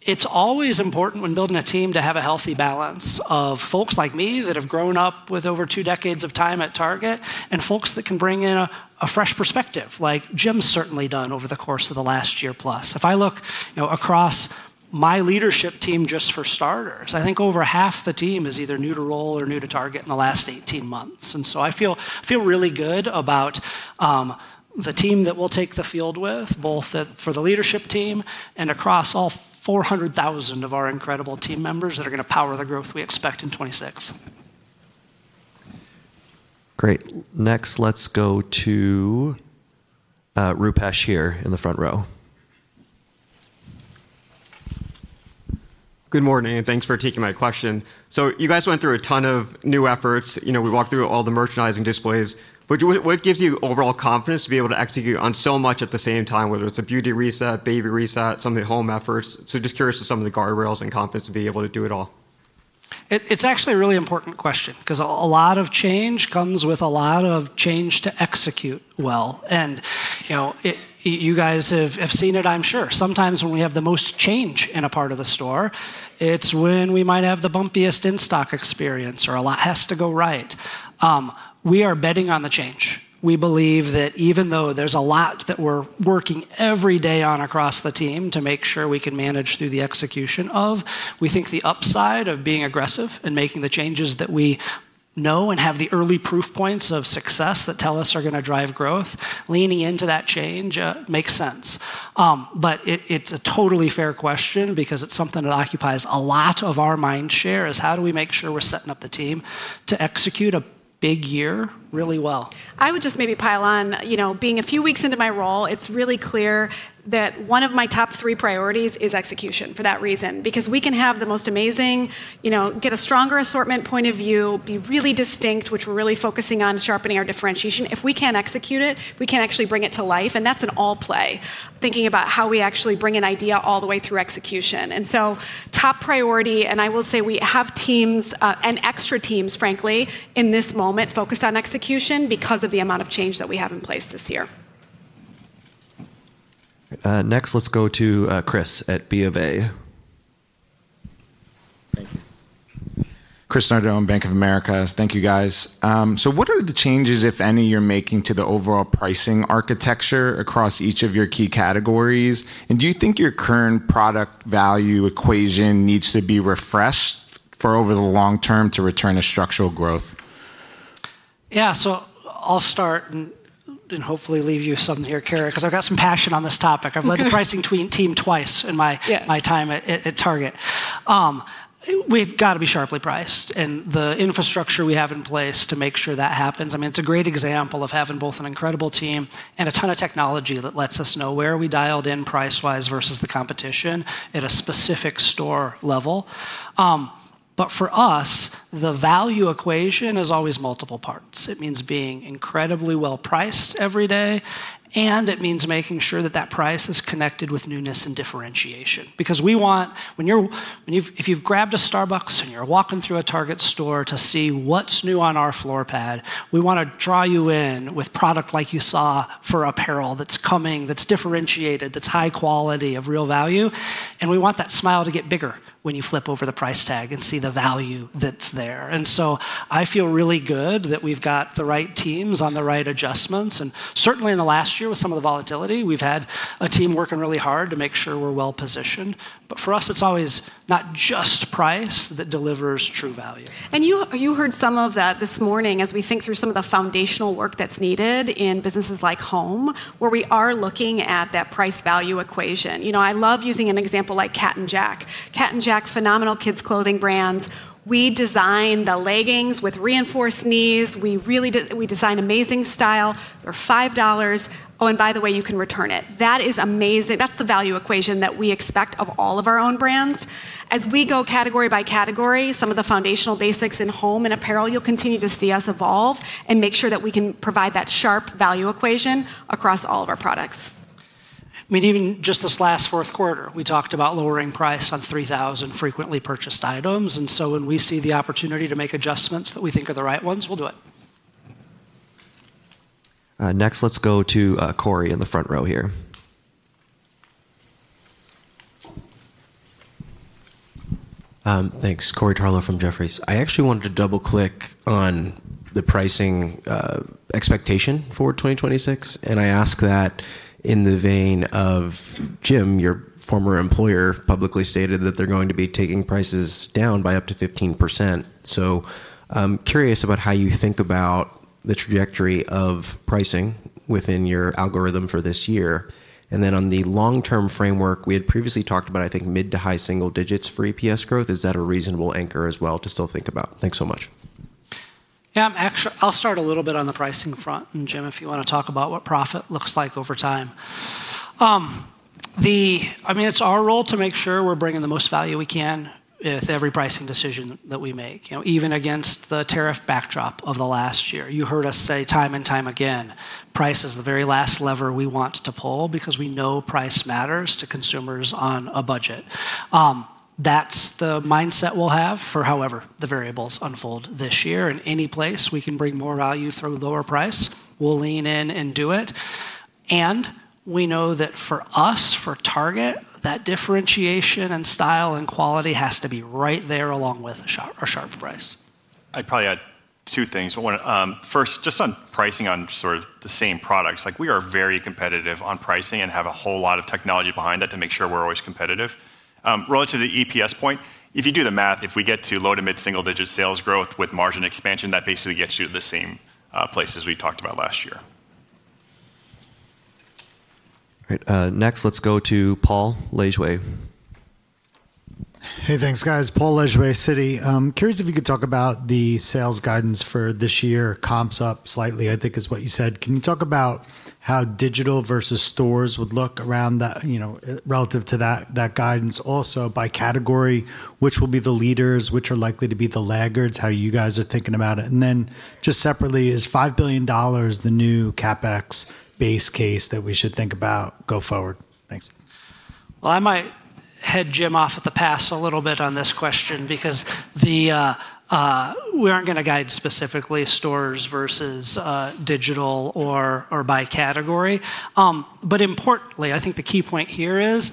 it's always important when building a team to have a healthy balance of folks like me that have grown up with over two decades of time at Target and folks that can bring in a fresh perspective, like Jim's certainly done over the course of the last year plus. If I look, you know, across my leadership team just for starters, I think over half the team is either new to role or new to Target in the last 18 months. I feel really good about the team that we'll take the field with, for the leadership team and across all 400,000 of our incredible team members that are gonna power the growth we expect in 2026. Great. Next, let's go to Rupesh here in the front row. Good morning, and thanks for taking my question. You guys went through a ton of new efforts. You know, we walked through all the merchandising displays. What gives you overall confidence to be able to execute on so much at the same time, whether it's a beauty reset, baby reset, some of the home efforts? Just curious to some of the guardrails and confidence to be able to do it all. It's actually a really important question 'cause a lot of change comes with a lot of change to execute well. You know, you guys have seen it, I'm sure. Sometimes when we have the most change in a part of the store, it's when we might have the bumpiest in-stock experience or a lot has to go right. We are betting on the change. We believe that even though there's a lot that we're working every day on across the team to make sure we can manage through the execution of, we think the upside of being aggressive and making the changes that we know and have the early proof points of success that tell us are gonna drive growth, leaning into that change, makes sense. It's a totally fair question because it's something that occupies a lot of our mind share is how do we make sure we're setting up the team to execute a big year really well. I would just maybe pile on. You know, being a few weeks into my role, it's really clear that one of my top three priorities is execution for that reason, because we can have the most amazing, you know, get a stronger assortment point of view, be really distinct, which we're really focusing on sharpening our differentiation. If we can't execute it, we can't actually bring it to life, and that's an all play, thinking about how we actually bring an idea all the way through execution. Top priority, and I will say we have teams, and extra teams, frankly, in this moment focused on execution because of the amount of change that we have in place this year. Next let's go to Chris at BofA. Thank you. Chris Nardone, Bank of America. Thank you, guys. What are the changes, if any, you're making to the overall pricing architecture across each of your key categories? Do you think your current product value equation needs to be refreshed for over the long term to return to structural growth? Yeah. I'll start and hopefully leave you some here, Cara, 'cause I've got some passion on this topic. I've led the pricing team twice in my time at Target. We've gotta be sharply priced, the infrastructure we have in place to make sure that happens, I mean, it's a great example of having both an incredible team and a ton of technology that lets us know where are we dialed in price-wise versus the competition at a specific store level. For us, the value equation is always multiple parts. It means being incredibly well-priced every day, it means making sure that that price is connected with newness and differentiation because we want. When you're, if you've grabbed a Starbucks and you're walking through a Target store to see what's new on our floor pad, we wanna draw you in with product like you saw for apparel that's coming, that's differentiated, that's high quality of real value, and we want that smile to get bigger when you flip over the price tag and see the value that's there. I feel really good that we've got the right teams on the right adjustments. Certainly, in the last year with some of the volatility, we've had a team working really hard to make sure we're well positioned. For us, it's always not just price that delivers true value. You heard some of that this morning as we think through some of the foundational work that's needed in businesses like home, where we are looking at that price value equation. You know, I love using an example like Cat & Jack. Cat & Jack, phenomenal kids' clothing brands. We design the leggings with reinforced knees. We really design amazing style. They're $5. By the way, you can return it. That is amazing. That's the value equation that we expect of all of our own brands. We go category by category, some of the foundational basics in home and apparel, you'll continue to see us evolve and make sure that we can provide that sharp value equation across all of our products. I mean, even just this last Q4, we talked about lowering price on 3,000 frequently purchased items. When we see the opportunity to make adjustments that we think are the right ones, we'll do it. Next let's go to, Corey in the front row here. Thanks. Corey Tarlowe from Jefferies. I actually wanted to double-click on the pricing expectation for 2026. I ask that in the vein of Jim, your former employer, publicly stated that they're going to be taking prices down by up to 15%. I'm curious about how you think about the trajectory of pricing within your algorithm for this year. On the long-term framework, we had previously talked about, I think, mid to high single-digit for EPS growth. Is that a reasonable anchor as well to still think about? Thanks so much. Yeah. I'll start a little bit on the pricing front. Jim, if you wanna talk about what profit looks like over time. I mean, it's our role to make sure we're bringing the most value we can with every pricing decision that we make, you know, even against the tariff backdrop of the last year. You heard us say time and time again, price is the very last lever we want to pull because we know price matters to consumers on a budget. That's the mindset we'll have for however the variables unfold this year. Any place we can bring more value through lower price; we'll lean in and do it. We know that for us, for Target, that differentiation and style and quality have to be right there along with a sharp price. I'd probably add two things. One, first, just on pricing on sort of the same products, like, we are very competitive on pricing and have a whole lot of technology behind that to make sure we're always competitive. Relative to the EPS point, if you do the math, if we get to low to mid single-digit sales growth with margin expansion, that basically gets you to the same place as we talked about last year. All right, next let's go to Paul Lejuez. Hey, thanks, guys. Paul Lejuez, Citi. Curious if you could talk about the sales guidance for this year. Comps up slightly, I think is what you said. Can you talk about how digital versus stores would look around that, you know, relative to that guidance? Also, by category, which will be the leaders, which are likely to be the laggards, how you guys are thinking about it. Just separately, is $5 billion the new CapEx base case that we should think about go forward? Thanks. I might head Jim off at the pass a little bit on this question because we aren't gonna guide specifically stores versus digital or by category. Importantly, I think the key point here is,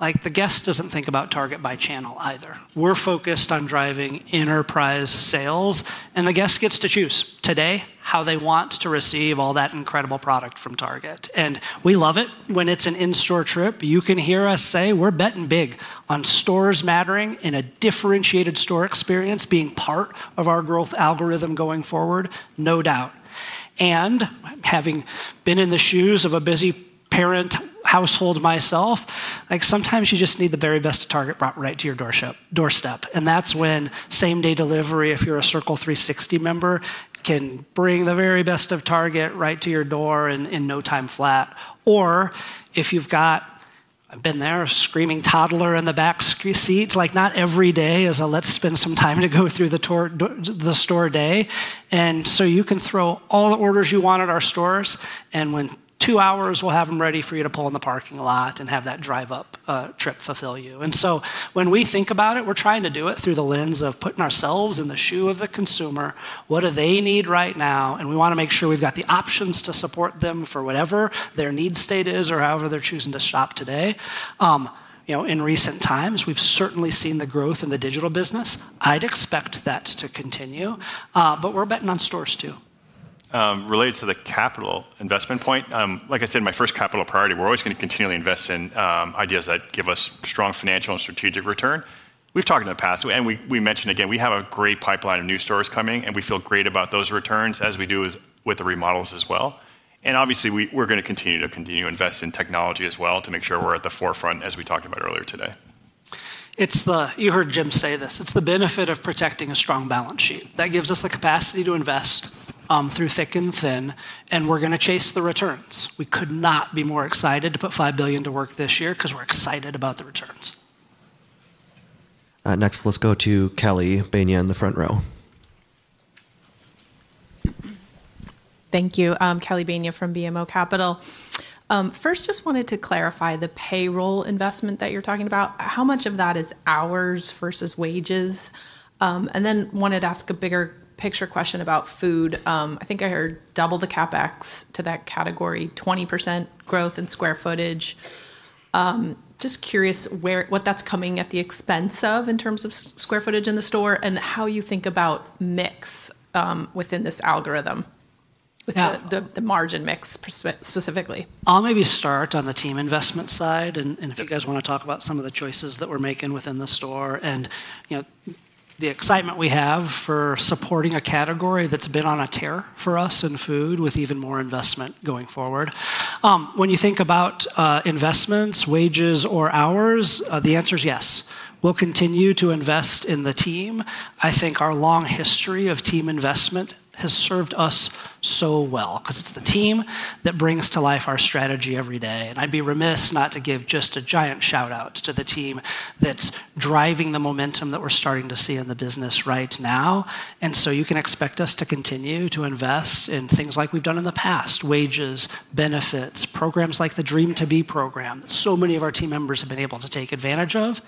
like, the guest doesn't think about Target by channel either. We're focused on driving enterprise sales. The guest gets to choose today how they want to receive all that incredible product from Target, and we love it. When it's an in-store trip, you can hear us say we're betting big on stores mattering and a differentiated store experience being part of our growth algorithm going forward, no doubt. Having been in the shoes of a busy parent household myself, like, sometimes you just need the very best of Target brought right to your doorstep, and that's when same-day delivery, if you're a Target Circle 360 member, can bring the very best of Target right to your door in no time flat. If you've got, I've been there, a screaming toddler in the back seat, like, not every day is a let's spend some time to go through the store day. You can throw all the orders you want at our stores, and when two hours, we'll have them ready for you to pull in the parking lot and have that Drive Up trip fulfill you. When we think about it, we're trying to do it through the lens of putting ourselves in the shoe of the consumer, what do they need right now, and we wanna make sure we've got the options to support them for whatever their need state is or however they're choosing to shop today. You know, in recent times, we've certainly seen the growth in the digital business. I'd expect that to continue, but we're betting on stores too. Related to the capital investment point, like I said, my first capital priority, we're always gonna continually invest in ideas that give us strong financial and strategic return. We've talked in the past, and we mentioned again, we have a great pipeline of new stores coming, and we feel great about those returns as we do with the remodels as well. Obviously, we're gonna continue to invest in technology as well to make sure we're at the forefront as we talked about earlier today. You heard Jim say this. It's the benefit of protecting a strong balance sheet. That gives us the capacity to invest through thick and thin. We're going to chase the returns. We could not be more excited to put $5 billion to work this year 'cause we're excited about the returns. Next, let's go to Kelly Bania in the front row. Thank you. Kelly Bania from BMO Capital. First, just wanted to clarify the payroll investment that you're talking about, how much of that is hours versus wages? Then wanted to ask a bigger picture question about food. I think I heard double the CapEx to that category, 20% growth in square footage. Just curious what that's coming at the expense of in terms of square footage in the store and how you think about mix within this algorithm- Yeah. The margin mix specifically. I'll maybe start on the team investment side and if you guys want to talk about some of the choices that we're making within the store and, you know, the excitement we have for supporting a category that's been on a tear for us in food with even more investment going forward. When you think about investments, wages or hours, the answer is yes. We'll continue to invest in the team. I think our long history of team investment has served us so well cause it's the team that brings to life our strategy every day. I'd be remiss not to give just a giant shout-out to the team that's driving the momentum that we're starting to see in the business right now. You can expect us to continue to invest in things like we've done in the past, wages, benefits, programs like the Dream to Be program that so many of our team members have been able to take advantage of.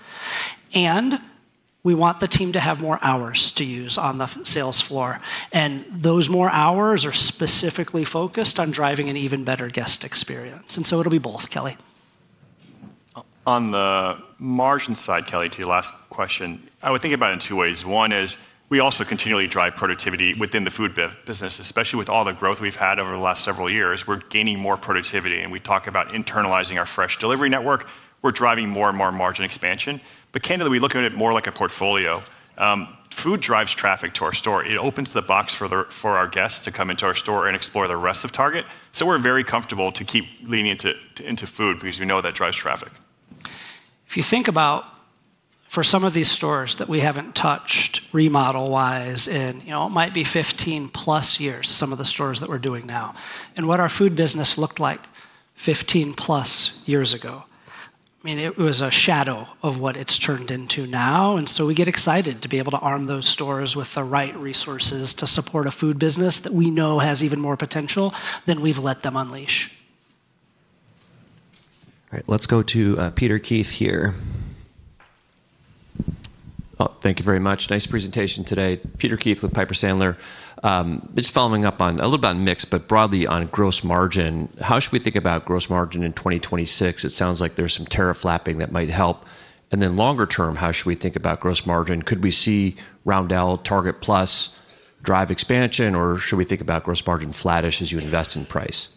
We want the team to have more hours to use on the sales floor. Those more hours are specifically focused on driving an even better guest experience. It'll be both, Kelly. On the margin side, Kelly, to your last question, I would think about it in two ways. One is we also continually drive productivity within the food business, especially with all the growth we've had over the last several years. We're gaining more productivity, and we talk about internalizing our fresh delivery network. We're driving more and more margin expansion. Candidly, we look at it more like a portfolio. Food drives traffic to our store. It opens the box for our guests to come into our store and explore the rest of Target. We're very comfortable to keep leaning into food because we know that drives traffic. If you think about for some of these stores that we haven't touched remodel-wise in, you know, it might be 15+ years, some of the stores that we're doing now, and what our food business looked like 15+ years ago, I mean, it was a shadow of what it's turned into now. We get excited to be able to arm those stores with the right resources to support a food business that we know has even more potential than we've let them unleash. All right, let's go to Peter Keith here. Thank you very much. Nice presentation today. Peter Keith with Piper Sandler. Just following up on a little about mix, but broadly on gross margin, how should we think about gross margin in 2026? It sounds like there's some tariff lapping that might help. Longer term, how should we think about gross margin? Could we see Roundel, Target Plus drive expansion, or should we think about gross margin flattish as you invest in price?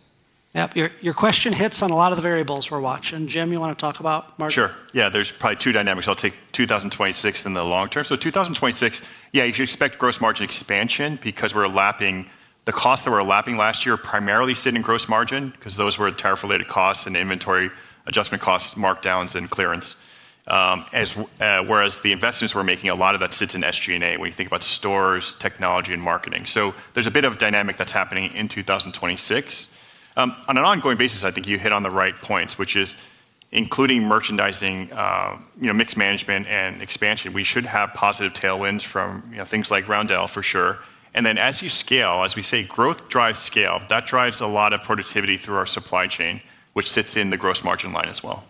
Yeah. Your question hits on a lot of the variables we're watching. Jim, you want to talk about margin? Sure. Yeah, there's probably two dynamics. I'll take 2026 then the long term. 2026, yeah, you should expect gross margin expansion because we're lapping the costs that we're lapping last year primarily sit in gross margin because those were tariff-related costs and inventory adjustment costs, markdowns and clearance. whereas the investments we're making, a lot of that sits in SG&A when you think about stores, technology and marketing. There's a bit of dynamic that's happening in 2026. On an ongoing basis, I think you hit on the right points, which is including merchandising, you know, mix management and expansion. We should have positive tailwinds from, you know, things like Roundel for sure. As you scale, as we say, growth drives scale, that drives a lot of productivity through our supply chain, which sits in the gross margin line as well.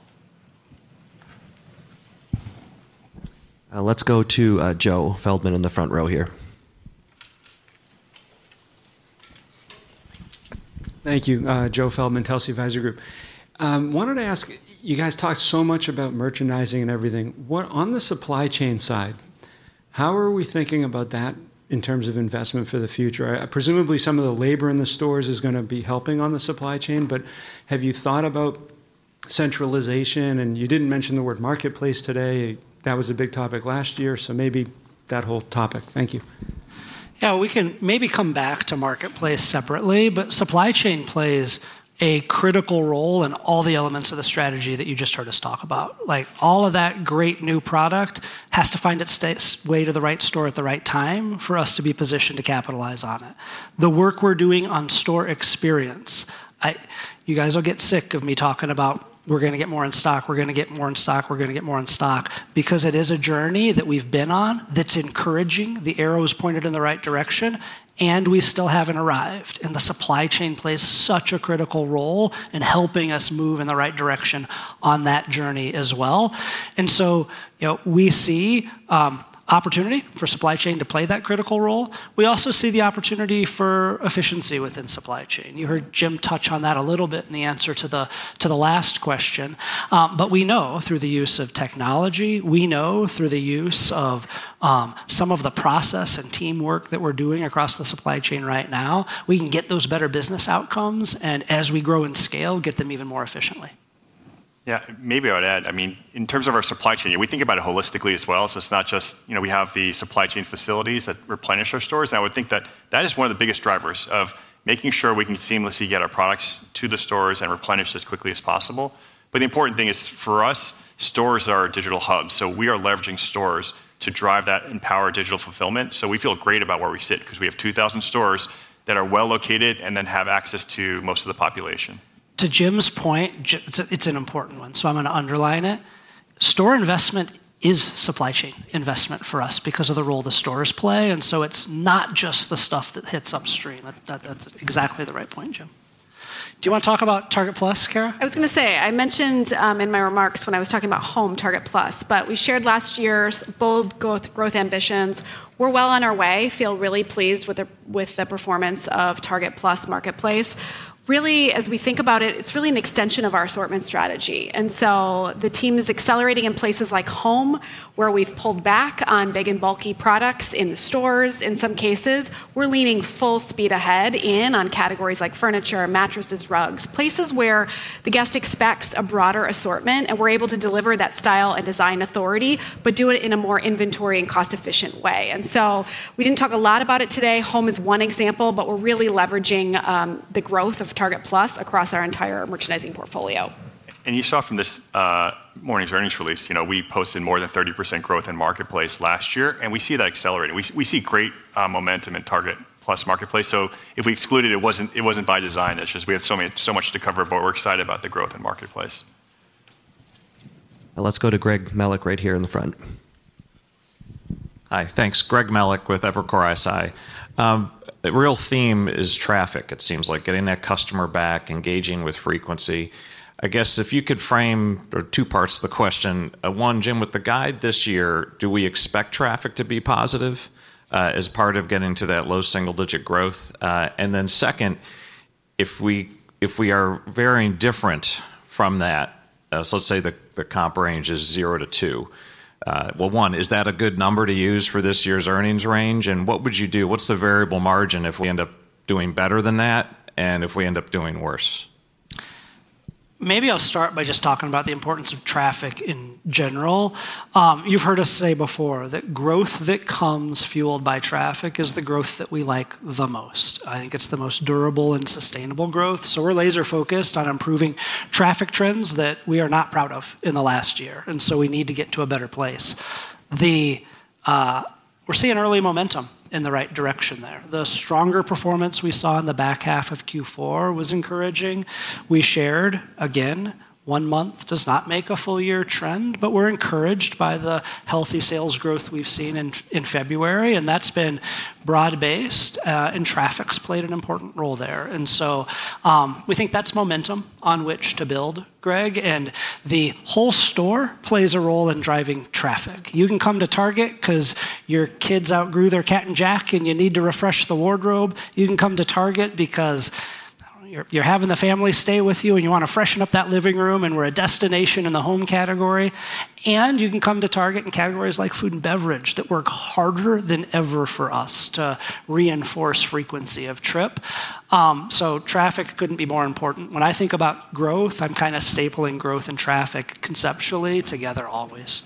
Let's go to Joe Feldman in the front row here. Thank you. Joseph Feldman, Telsey Advisory Group. Wanted to ask, you guys talked so much about merchandising and everything. On the supply chain side, how are we thinking about that in terms of investment for the future? Presumably, some of the labor in the stores is gonna be helping on the supply chain, but have you thought about centralization? You didn't mention the word marketplace today. That was a big topic last year, so maybe that whole topic. Thank you. We can maybe come back to marketplace separately, but supply chain plays a critical role in all the elements of the strategy that you just heard us talk about. Like, all of that great new product has to find its way to the right store at the right time for us to be positioned to capitalize on it. The work we're doing on store experience, you guys will get sick of me talking about we're gonna get more in stock, because it is a journey that we've been on that's encouraging, the arrow is pointed in the right direction, and we still haven't arrived. The supply chain plays such a critical role in helping us move in the right direction on that journey as well. You know, we see opportunity for supply chain to play that critical role. We also see the opportunity for efficiency within supply chain. You heard Jim touch on that a little bit in the answer to the last question. We know through the use of technology, we know through the use of some of the process and teamwork that we're doing across the supply chain right now, we can get those better business outcomes, and as we grow and scale, get them even more efficiently. Yeah, maybe I would add, I mean, in terms of our supply chain, we think about it holistically as well, so it's not just, you know, we have the supply chain facilities that replenish our stores. I would think that that is one of the biggest drivers of making sure we can seamlessly get our products to the stores and replenish as quickly as possible. The important thing is, for us, stores are our digital hubs, so we are leveraging stores to drive that and power digital fulfillment. We feel great about where we sit because we have 2,000 stores that are well located and then have access to most of the population. To Jim's point, it's an important one, so I'm going to underline it. Store investment is supply chain investment for us because of the role the stores play, and so it's not just the stuff that hits upstream. That's exactly the right point, Jim. Do you want to talk about Target Plus, Cara? I was gonna say, I mentioned in my remarks when I was talking about home Target Plus. We shared last year's bold growth ambitions. We're well on our way, feel really pleased with the performance of Target Plus Marketplace. Really, as we think about it's really an extension of our assortment strategy. The team is accelerating in places like home, where we've pulled back on big and bulky products in the stores in some cases. We're leaning full speed ahead in on categories like furniture, mattresses, rugs, places where the guest expects a broader assortment, and we're able to deliver that style and design authority, but do it in a more inventory and cost-efficient way. We didn't talk a lot about it today. Home is one example, but we're really leveraging, the growth of Target Plus across our entire merchandising portfolio. You saw from this morning's earnings release, you know, we posted more than 30% growth in Marketplace last year, and we see that accelerating. We see great momentum in Target Plus Marketplace. If we excluded, it wasn't by design. It's just we have so much to cover, but we're excited about the growth in Marketplace. Let's go to Greg Melich right here in the front. Hi. Thanks. Greg Melich with Evercore ISI. The real theme is traffic, it seems like, getting that customer back, engaging with frequency. I guess if you could frame or two parts to the question. One, Jim, with the guide this year, do we expect traffic to be positive as part of getting to that low single-digit growth? Second, if we are varying different from that, so let's say the comp range is 0%-2%. One, is that a good number to use for this year's earnings range? What would you do? What's the variable margin if we end up doing better than that and if we end up doing worse? Maybe I'll start by just talking about the importance of traffic in general. You've heard us say before that growth that comes fueled by traffic is the growth that we like the most. I think it's the most durable and sustainable growth. We're laser-focused on improving traffic trends that we are not proud of in the last year. We need to get to a better place. We're seeing early momentum in the right direction there. The stronger performance we saw in the back half of Q4 was encouraging. We shared, again, one month does not make a full year trend, but we're encouraged by the healthy sales growth we've seen in February, and that's been broad-based, and traffic's played an important role there. We think that's momentum on which to build, Greg, and the whole store plays a role in driving traffic. You can come to Target cause your kids outgrew their Cat & Jack and you need to refresh the wardrobe. You can come to Target because you're having the family stay with you and you want to freshen up that living room, and we're a destination in the home category. You can come to Target in categories like food and beverage that work harder than ever for us to reinforce frequency of trip. Traffic couldn't be more important. When I think about growth, I'm kind of stapling growth and traffic conceptually together always.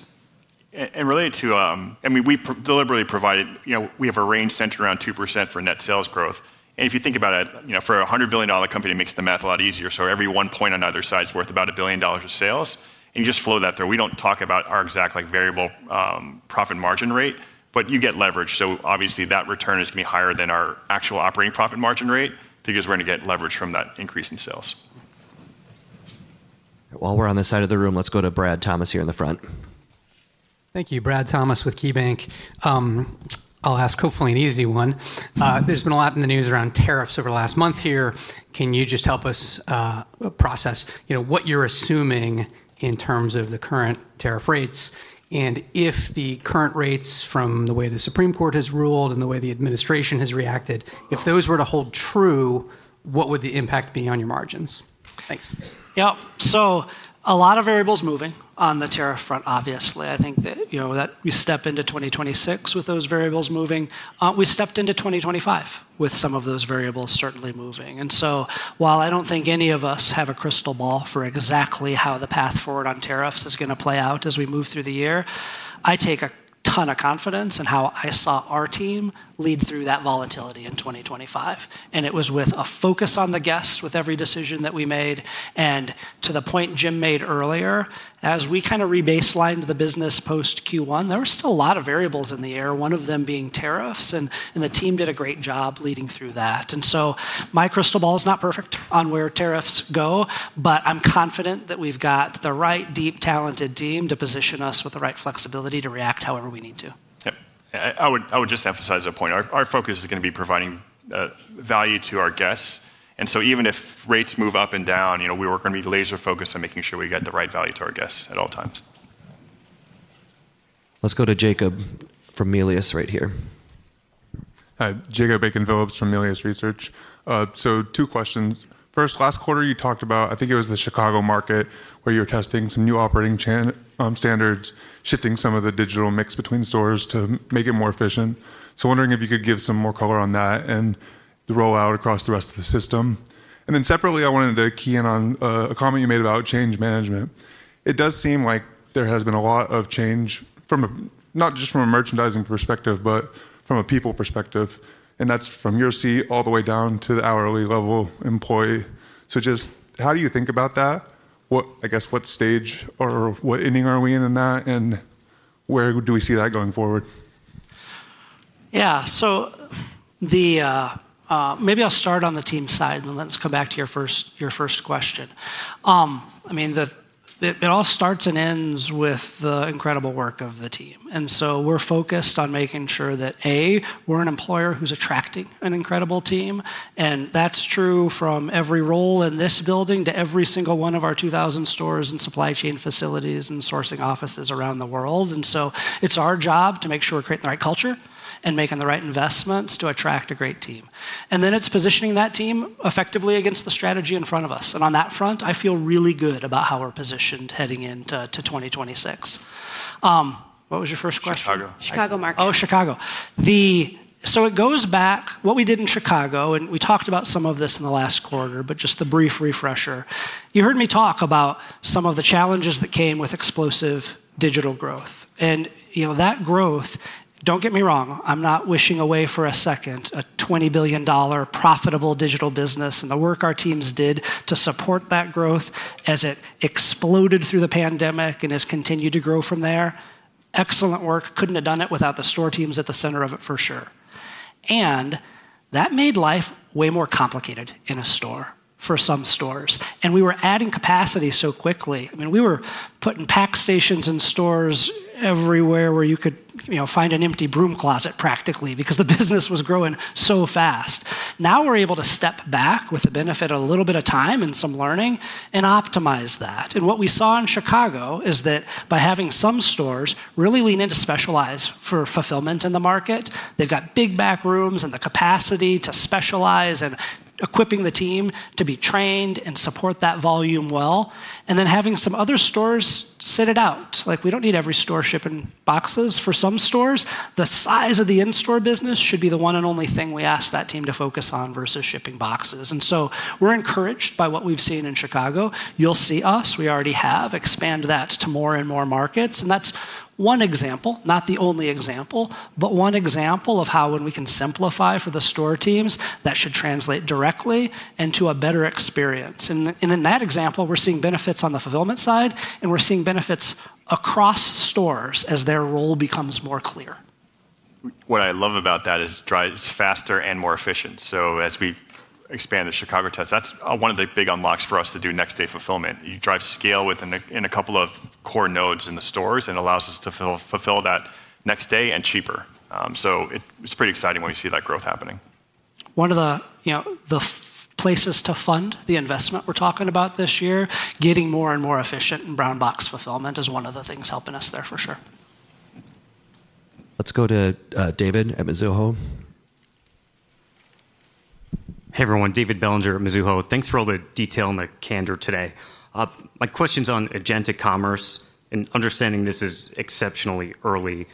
related to, I mean, we deliberately provided, you know, we have a range centered around 2% for net sales growth. If you think about it, you know, for a $100 billion company, it makes the math a lot easier, so every 1 point on either side's worth about $1 billion of sales, and you just flow that through. We don't talk about our exact, like, variable profit margin rate, but you get leverage. Obviously that return is going to be higher than our actual operating profit margin rate because we're going to get leverage from that increase in sales. While we're on this side of the room, let's go to Brad Thomas here in the front. Thank you. Brad Thomas with KeyBanc. I'll ask hopefully an easy one. There's been a lot in the news around tariffs over the last month here. Can you just help us process, you know, what you're assuming in terms of the current tariff rates? If the current rates from the way the Supreme Court has ruled and the way the administration has reacted, if those were to hold true, what would the impact be on your margins? Thanks. Yep. A lot of variables moving on the tariff front, obviously. I think that, you know, that we step into 2026 with those variables moving. We stepped into 2025 with some of those variables certainly moving. While I don't think any of us have a crystal ball for exactly how the path forward on tariffs is going to play out as we move through the year, I take a ton of confidence in how I saw our team lead through that volatility in 2025. It was with a focus on the guests with every decision that we made. To the point Jim made earlier, as we kind of rebaselined the business post Q1, there were still a lot of variables in the air, one of them being tariffs, and the team did a great job leading through that. My crystal ball is not perfect on where tariffs go, but I'm confident that we've got the right deep, talented team to position us with the right flexibility to react however we need to. Yep. I would just emphasize that point. Our focus is gonna be providing value to our guests. Even if rates move up and down, you know, we work-- gonna be laser-focused on making sure we get the right value to our guests at all times. Let's go to Jacob from Melius right here. Hi. Jacob Aiken-Phillips from Melius Research. Two questions. First, last quarter you talked about, I think it was the Chicago market, where you were testing some new operating standards, shifting some of the digital mix between stores to make it more efficient. Wondering if you could give some more color on that and the rollout across the rest of the system. Separately, I wanted to key in on a comment you made about change management. It does seem like there has been a lot of change from a not just from a merchandising perspective, but from a people perspective, and that's from your seat all the way down to the hourly level employee. Just how do you think about that? What I guess what stage or what inning are we in in that, and where do we see that going forward? Yeah. The, maybe I'll start on the team side, and then let's come back to your first, your first question. I mean, the, it all starts and ends with the incredible work of the team. We're focused on making sure that A, we're an employer who's attracting an incredible team, and that's true from every role in this building to every single one of our 2,000 stores and supply chain facilities and sourcing offices around the world. It's our job to make sure we're creating the right culture and making the right investments to attract a great team. It's positioning that team effectively against the strategy in front of us. On that front, I feel really good about how we're positioned heading into 2026. What was your first question? Chicago. Chicago market. Oh, Chicago. It goes back what we did in Chicago, we talked about some of this in the last quarter, just a brief refresher. You heard me talk about some of the challenges that came with explosive digital growth. You know, that growth, don't get me wrong, I'm not wishing away for a second a $20 billion profitable digital business and the work our teams did to support that growth as it exploded through the pandemic and has continued to grow from there. Excellent work. Couldn't have done it without the store teams at the center of it for sure. That made life way more complicated in a store for some stores. We were adding capacity so quickly. I mean, we were putting pack stations in stores everywhere where you could, you know, find an empty broom closet practically because the business was growing so fast. Now we're able to step back with the benefit of a little bit of time and some learning and optimize that. What we saw in Chicago is that by having some stores really lean in to specialize for fulfillment in the market, they've got big back rooms and the capacity to specialize and equipping the team to be trained and support that volume well, and then having some other stores sit it out. Like, we don't need every store shipping boxes for some stores. The size of the in-store business should be the one and only thing we ask that team to focus on versus shipping boxes. We're encouraged by what we've seen in Chicago. You'll see us, we already have, expand that to more and more markets. That's one example, not the only example, but one example of how when we can simplify for the store teams, that should translate directly into a better experience. In that example, we're seeing benefits on the fulfillment side and we're seeing benefits across stores as their role becomes more clear. What I love about that is it's faster and more efficient. As we expand the Chicago test, that's one of the big unlocks for us to do next day fulfillment. You drive scale within a couple of core nodes in the stores and allows us to fulfill that next day and cheaper. It's pretty exciting when you see that growth happening. One of the, you know, the places to fund the investment we're talking about this year, getting more and more efficient in brown box fulfillment is one of the things helping us there for sure. Let's go to, David at Mizuho. Hey, everyone, David Bellinger at Mizuho. Thanks for all the detail and the candor today. My questions on agentic commerce and understanding this is exceptionally early.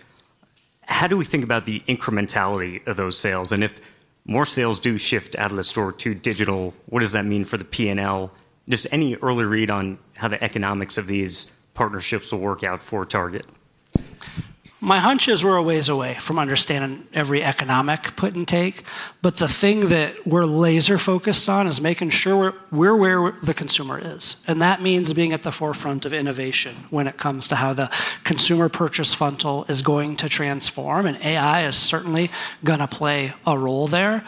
How do we think about the incrementality of those sales? If more sales do shift out of the store to digital, what does that mean for the P&L? Just any early read on how the economics of these partnerships will work out for Target? My hunch is we're a way away from understanding every economic put and take. The thing that we're laser focused on is making sure we're where the consumer is. That means being at the forefront of innovation when it comes to how the consumer purchase funnel is going to transform. AI is certainly going to play a role there.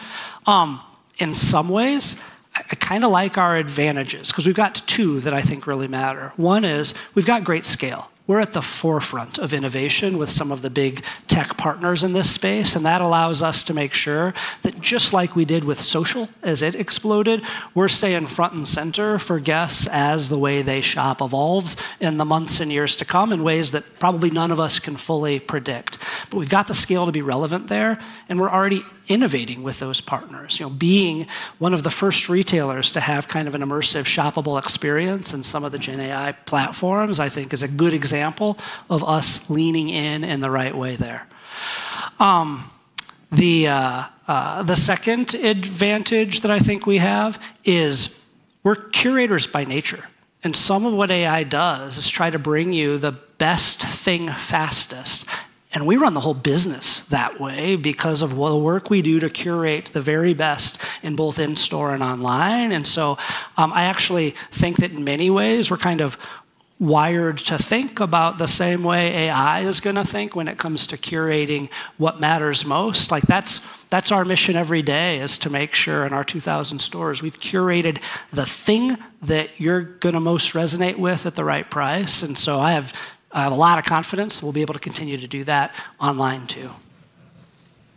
In some ways, I kind of like our advantages cause we've got two that I think really matter. One is we've got great scale. We're at the forefront of innovation with some of the big tech partners in this space. That allows us to make sure that just like we did with social as it exploded, we're staying front and center for guests as the way they shop evolves in the months and years to come in ways that probably none of us can fully predict. We've got the scale to be relevant there, and we're already innovating with those partners. You know, being one of the first retailers to have kind of an immersive shoppable experience in some of the GenAI platforms, I think is a good example of us leaning in in the right way there. The second advantage that I think we have is we're curators by nature, and some of what AI does is try to bring you the best thing fastest, and we run the whole business that way because of the work we do to curate the very best in both in-store and online. I actually think that in many ways, we're kind of wired to think about the same way AI is gonna think when it comes to curating what matters most. Like, that's our mission every day is to make sure in our 2,000 stores, we've curated the thing that you're going to most resonate with at the right price. I have a lot of confidence we'll be able to continue to do that online too.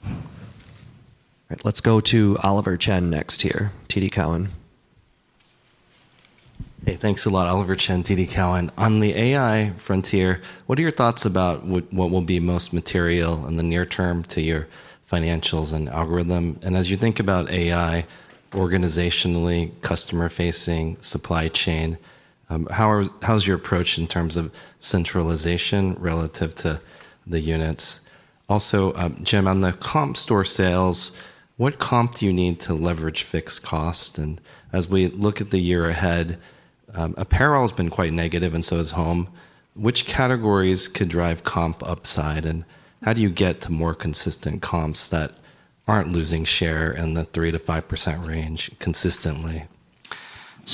All right. Let's go to Oliver Chen next here, TD Cowen. Hey, thanks a lot. Oliver Chen, TD Cowen. On the AI frontier, what are your thoughts about what will be most material in the near term to your financials and algorithm? As you think about AI organizationally, customer facing, supply chain. How's your approach in terms of centralization relative to the units? Also, Jim, on the comp store sales, what comp do you need to leverage fixed cost? As we look at the year ahead, apparel has been quite negative and so has home, which categories could drive comp upside, and how do you get to more consistent comps that aren't losing share in the 3%-5% range consistently?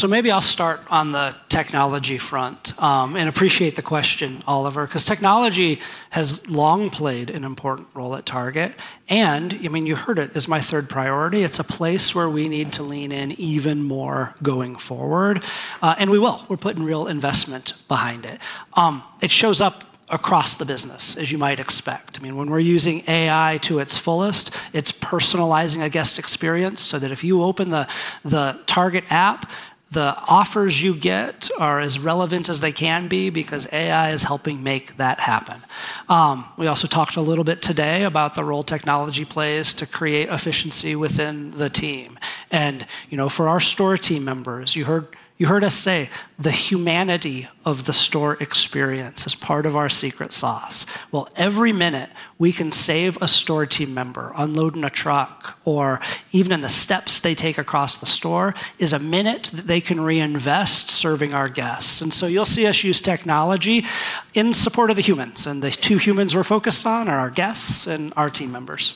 Maybe I'll start on the technology front, and appreciate the question, Oliver, because technology has long played an important role at Target, it's my third priority. It's a place where we need to lean in even more going forward, and we will. We're putting real investment behind it. It shows up across the business, as you might expect. I mean, when we're using AI to its fullest, it's personalizing a guest experience so that if you open the Target app, the offers you get are as relevant as they can be because AI is helping make that happen. We also talked a little bit today about the role technology plays to create efficiency within the team. You know, for our store team members, you heard us say, the humanity of the store experience is part of our secret sauce. Every minute we can save a store team member unloading a truck or even in the steps they take across the store is a minute that they can reinvest serving our guests. You'll see us use technology in support of the humans, and the two humans we're focused on are our guests and our team members.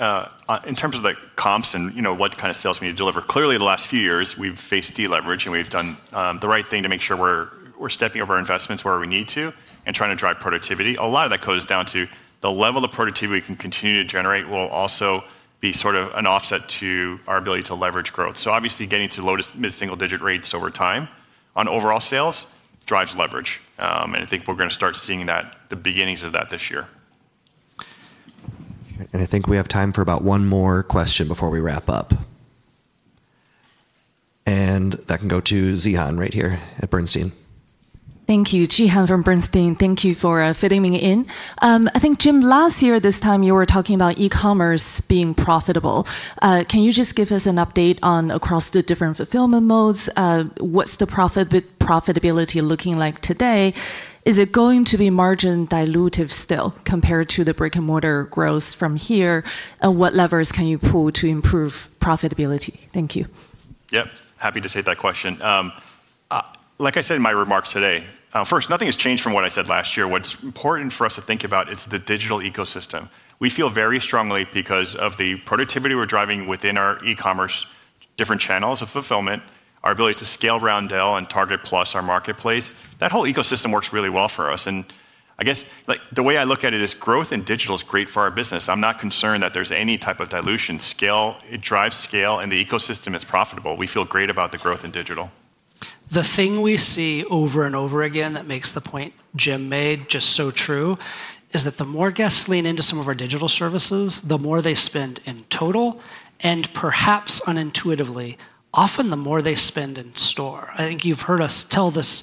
In terms of the comps and, you know, what kind of sales we need to deliver, clearly the last few years we've faced deleverage and we've done the right thing to make sure we're stepping over our investments where we need to and trying to drive productivity. A lot of that goes down to the level of productivity we can continue to generate will also be sort of an offset to our ability to leverage growth. Obviously getting to low to mid-single digit rates over time on overall sales drives leverage. And I think we're gonna start seeing that, the beginnings of that this year. I think we have time for about one more question before we wrap up. That can go to Zihan right here at Bernstein. Thank you. Zihan from Bernstein. Thank you for fitting me in. I think, Jim, last year this time you were talking about e-commerce being profitable. Can you just give us an update on across the different fulfillment modes? What's the profitability looking like today? Is it going to be margin dilutive still compared to the brick-and-mortar growth from here? What levers can you pull to improve profitability? Thank you. Yep. Happy to take that question. Like I said in my remarks today, first, nothing has changed from what I said last year. What's important for us to think about is the digital ecosystem. We feel very strongly because of the productivity we're driving within our e-commerce, different channels of fulfillment, our ability to scale Roundel and Target Plus, our marketplace, that whole ecosystem works really well for us. I guess, like, the way I look at it is growth in digital is great for our business. I'm not concerned that there's any type of dilution. Scale, it drives scale, and the ecosystem is profitable. We feel great about the growth in digital. The thing we see over and over again that makes the point Jim made just so true is that the more guests lean into some of our digital services, the more they spend in total, and perhaps unintuitively, often the more they spend in store. I think you've heard us tell this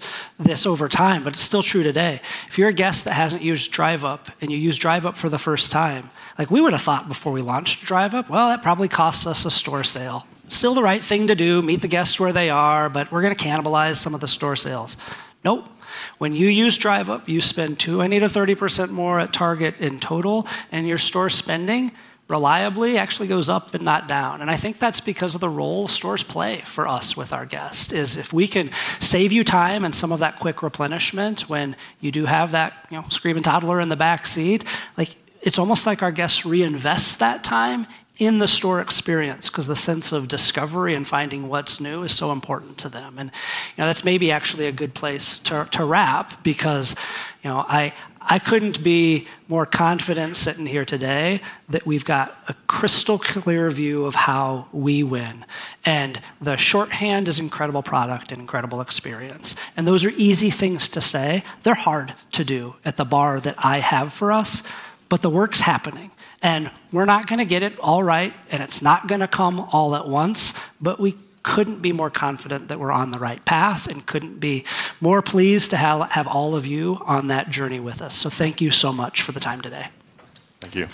over time. It's still true today. If you're a guest that hasn't used Drive Up and you use Drive Up for the first time, like we would have thought before we launched Drive Up, well, that probably costs us a store sale. Still the right thing to do, meet the guests where they are. We're gonna cannibalize some of the store sales. Nope. When you use Drive Up, you spend 20%-30% more at Target in total. Your store spending reliably actually goes up and not down. I think that's because of the role stores play for us with our guests, is if we can save you time and some of that quick replenishment when you do have that, you know, screaming toddler in the back seat, like, it's almost like our guests reinvest that time in the store experience because the sense of discovery and finding what's new is so important to them. You know, that's maybe actually a good place to wrap because, you know, I couldn't be more confident sitting here today that we've got a crystal-clear view of how we win. The shorthand is incredible product and incredible experience. Those are easy things to say. They're hard to do at the bar that I have for us, but the work's happening. We're not going to get it all right, and it's not going to come all at once, but we couldn't be more confident that we're on the right path and couldn't be more pleased to have all of you on that journey with us. Thank you so much for the time today. Thank you.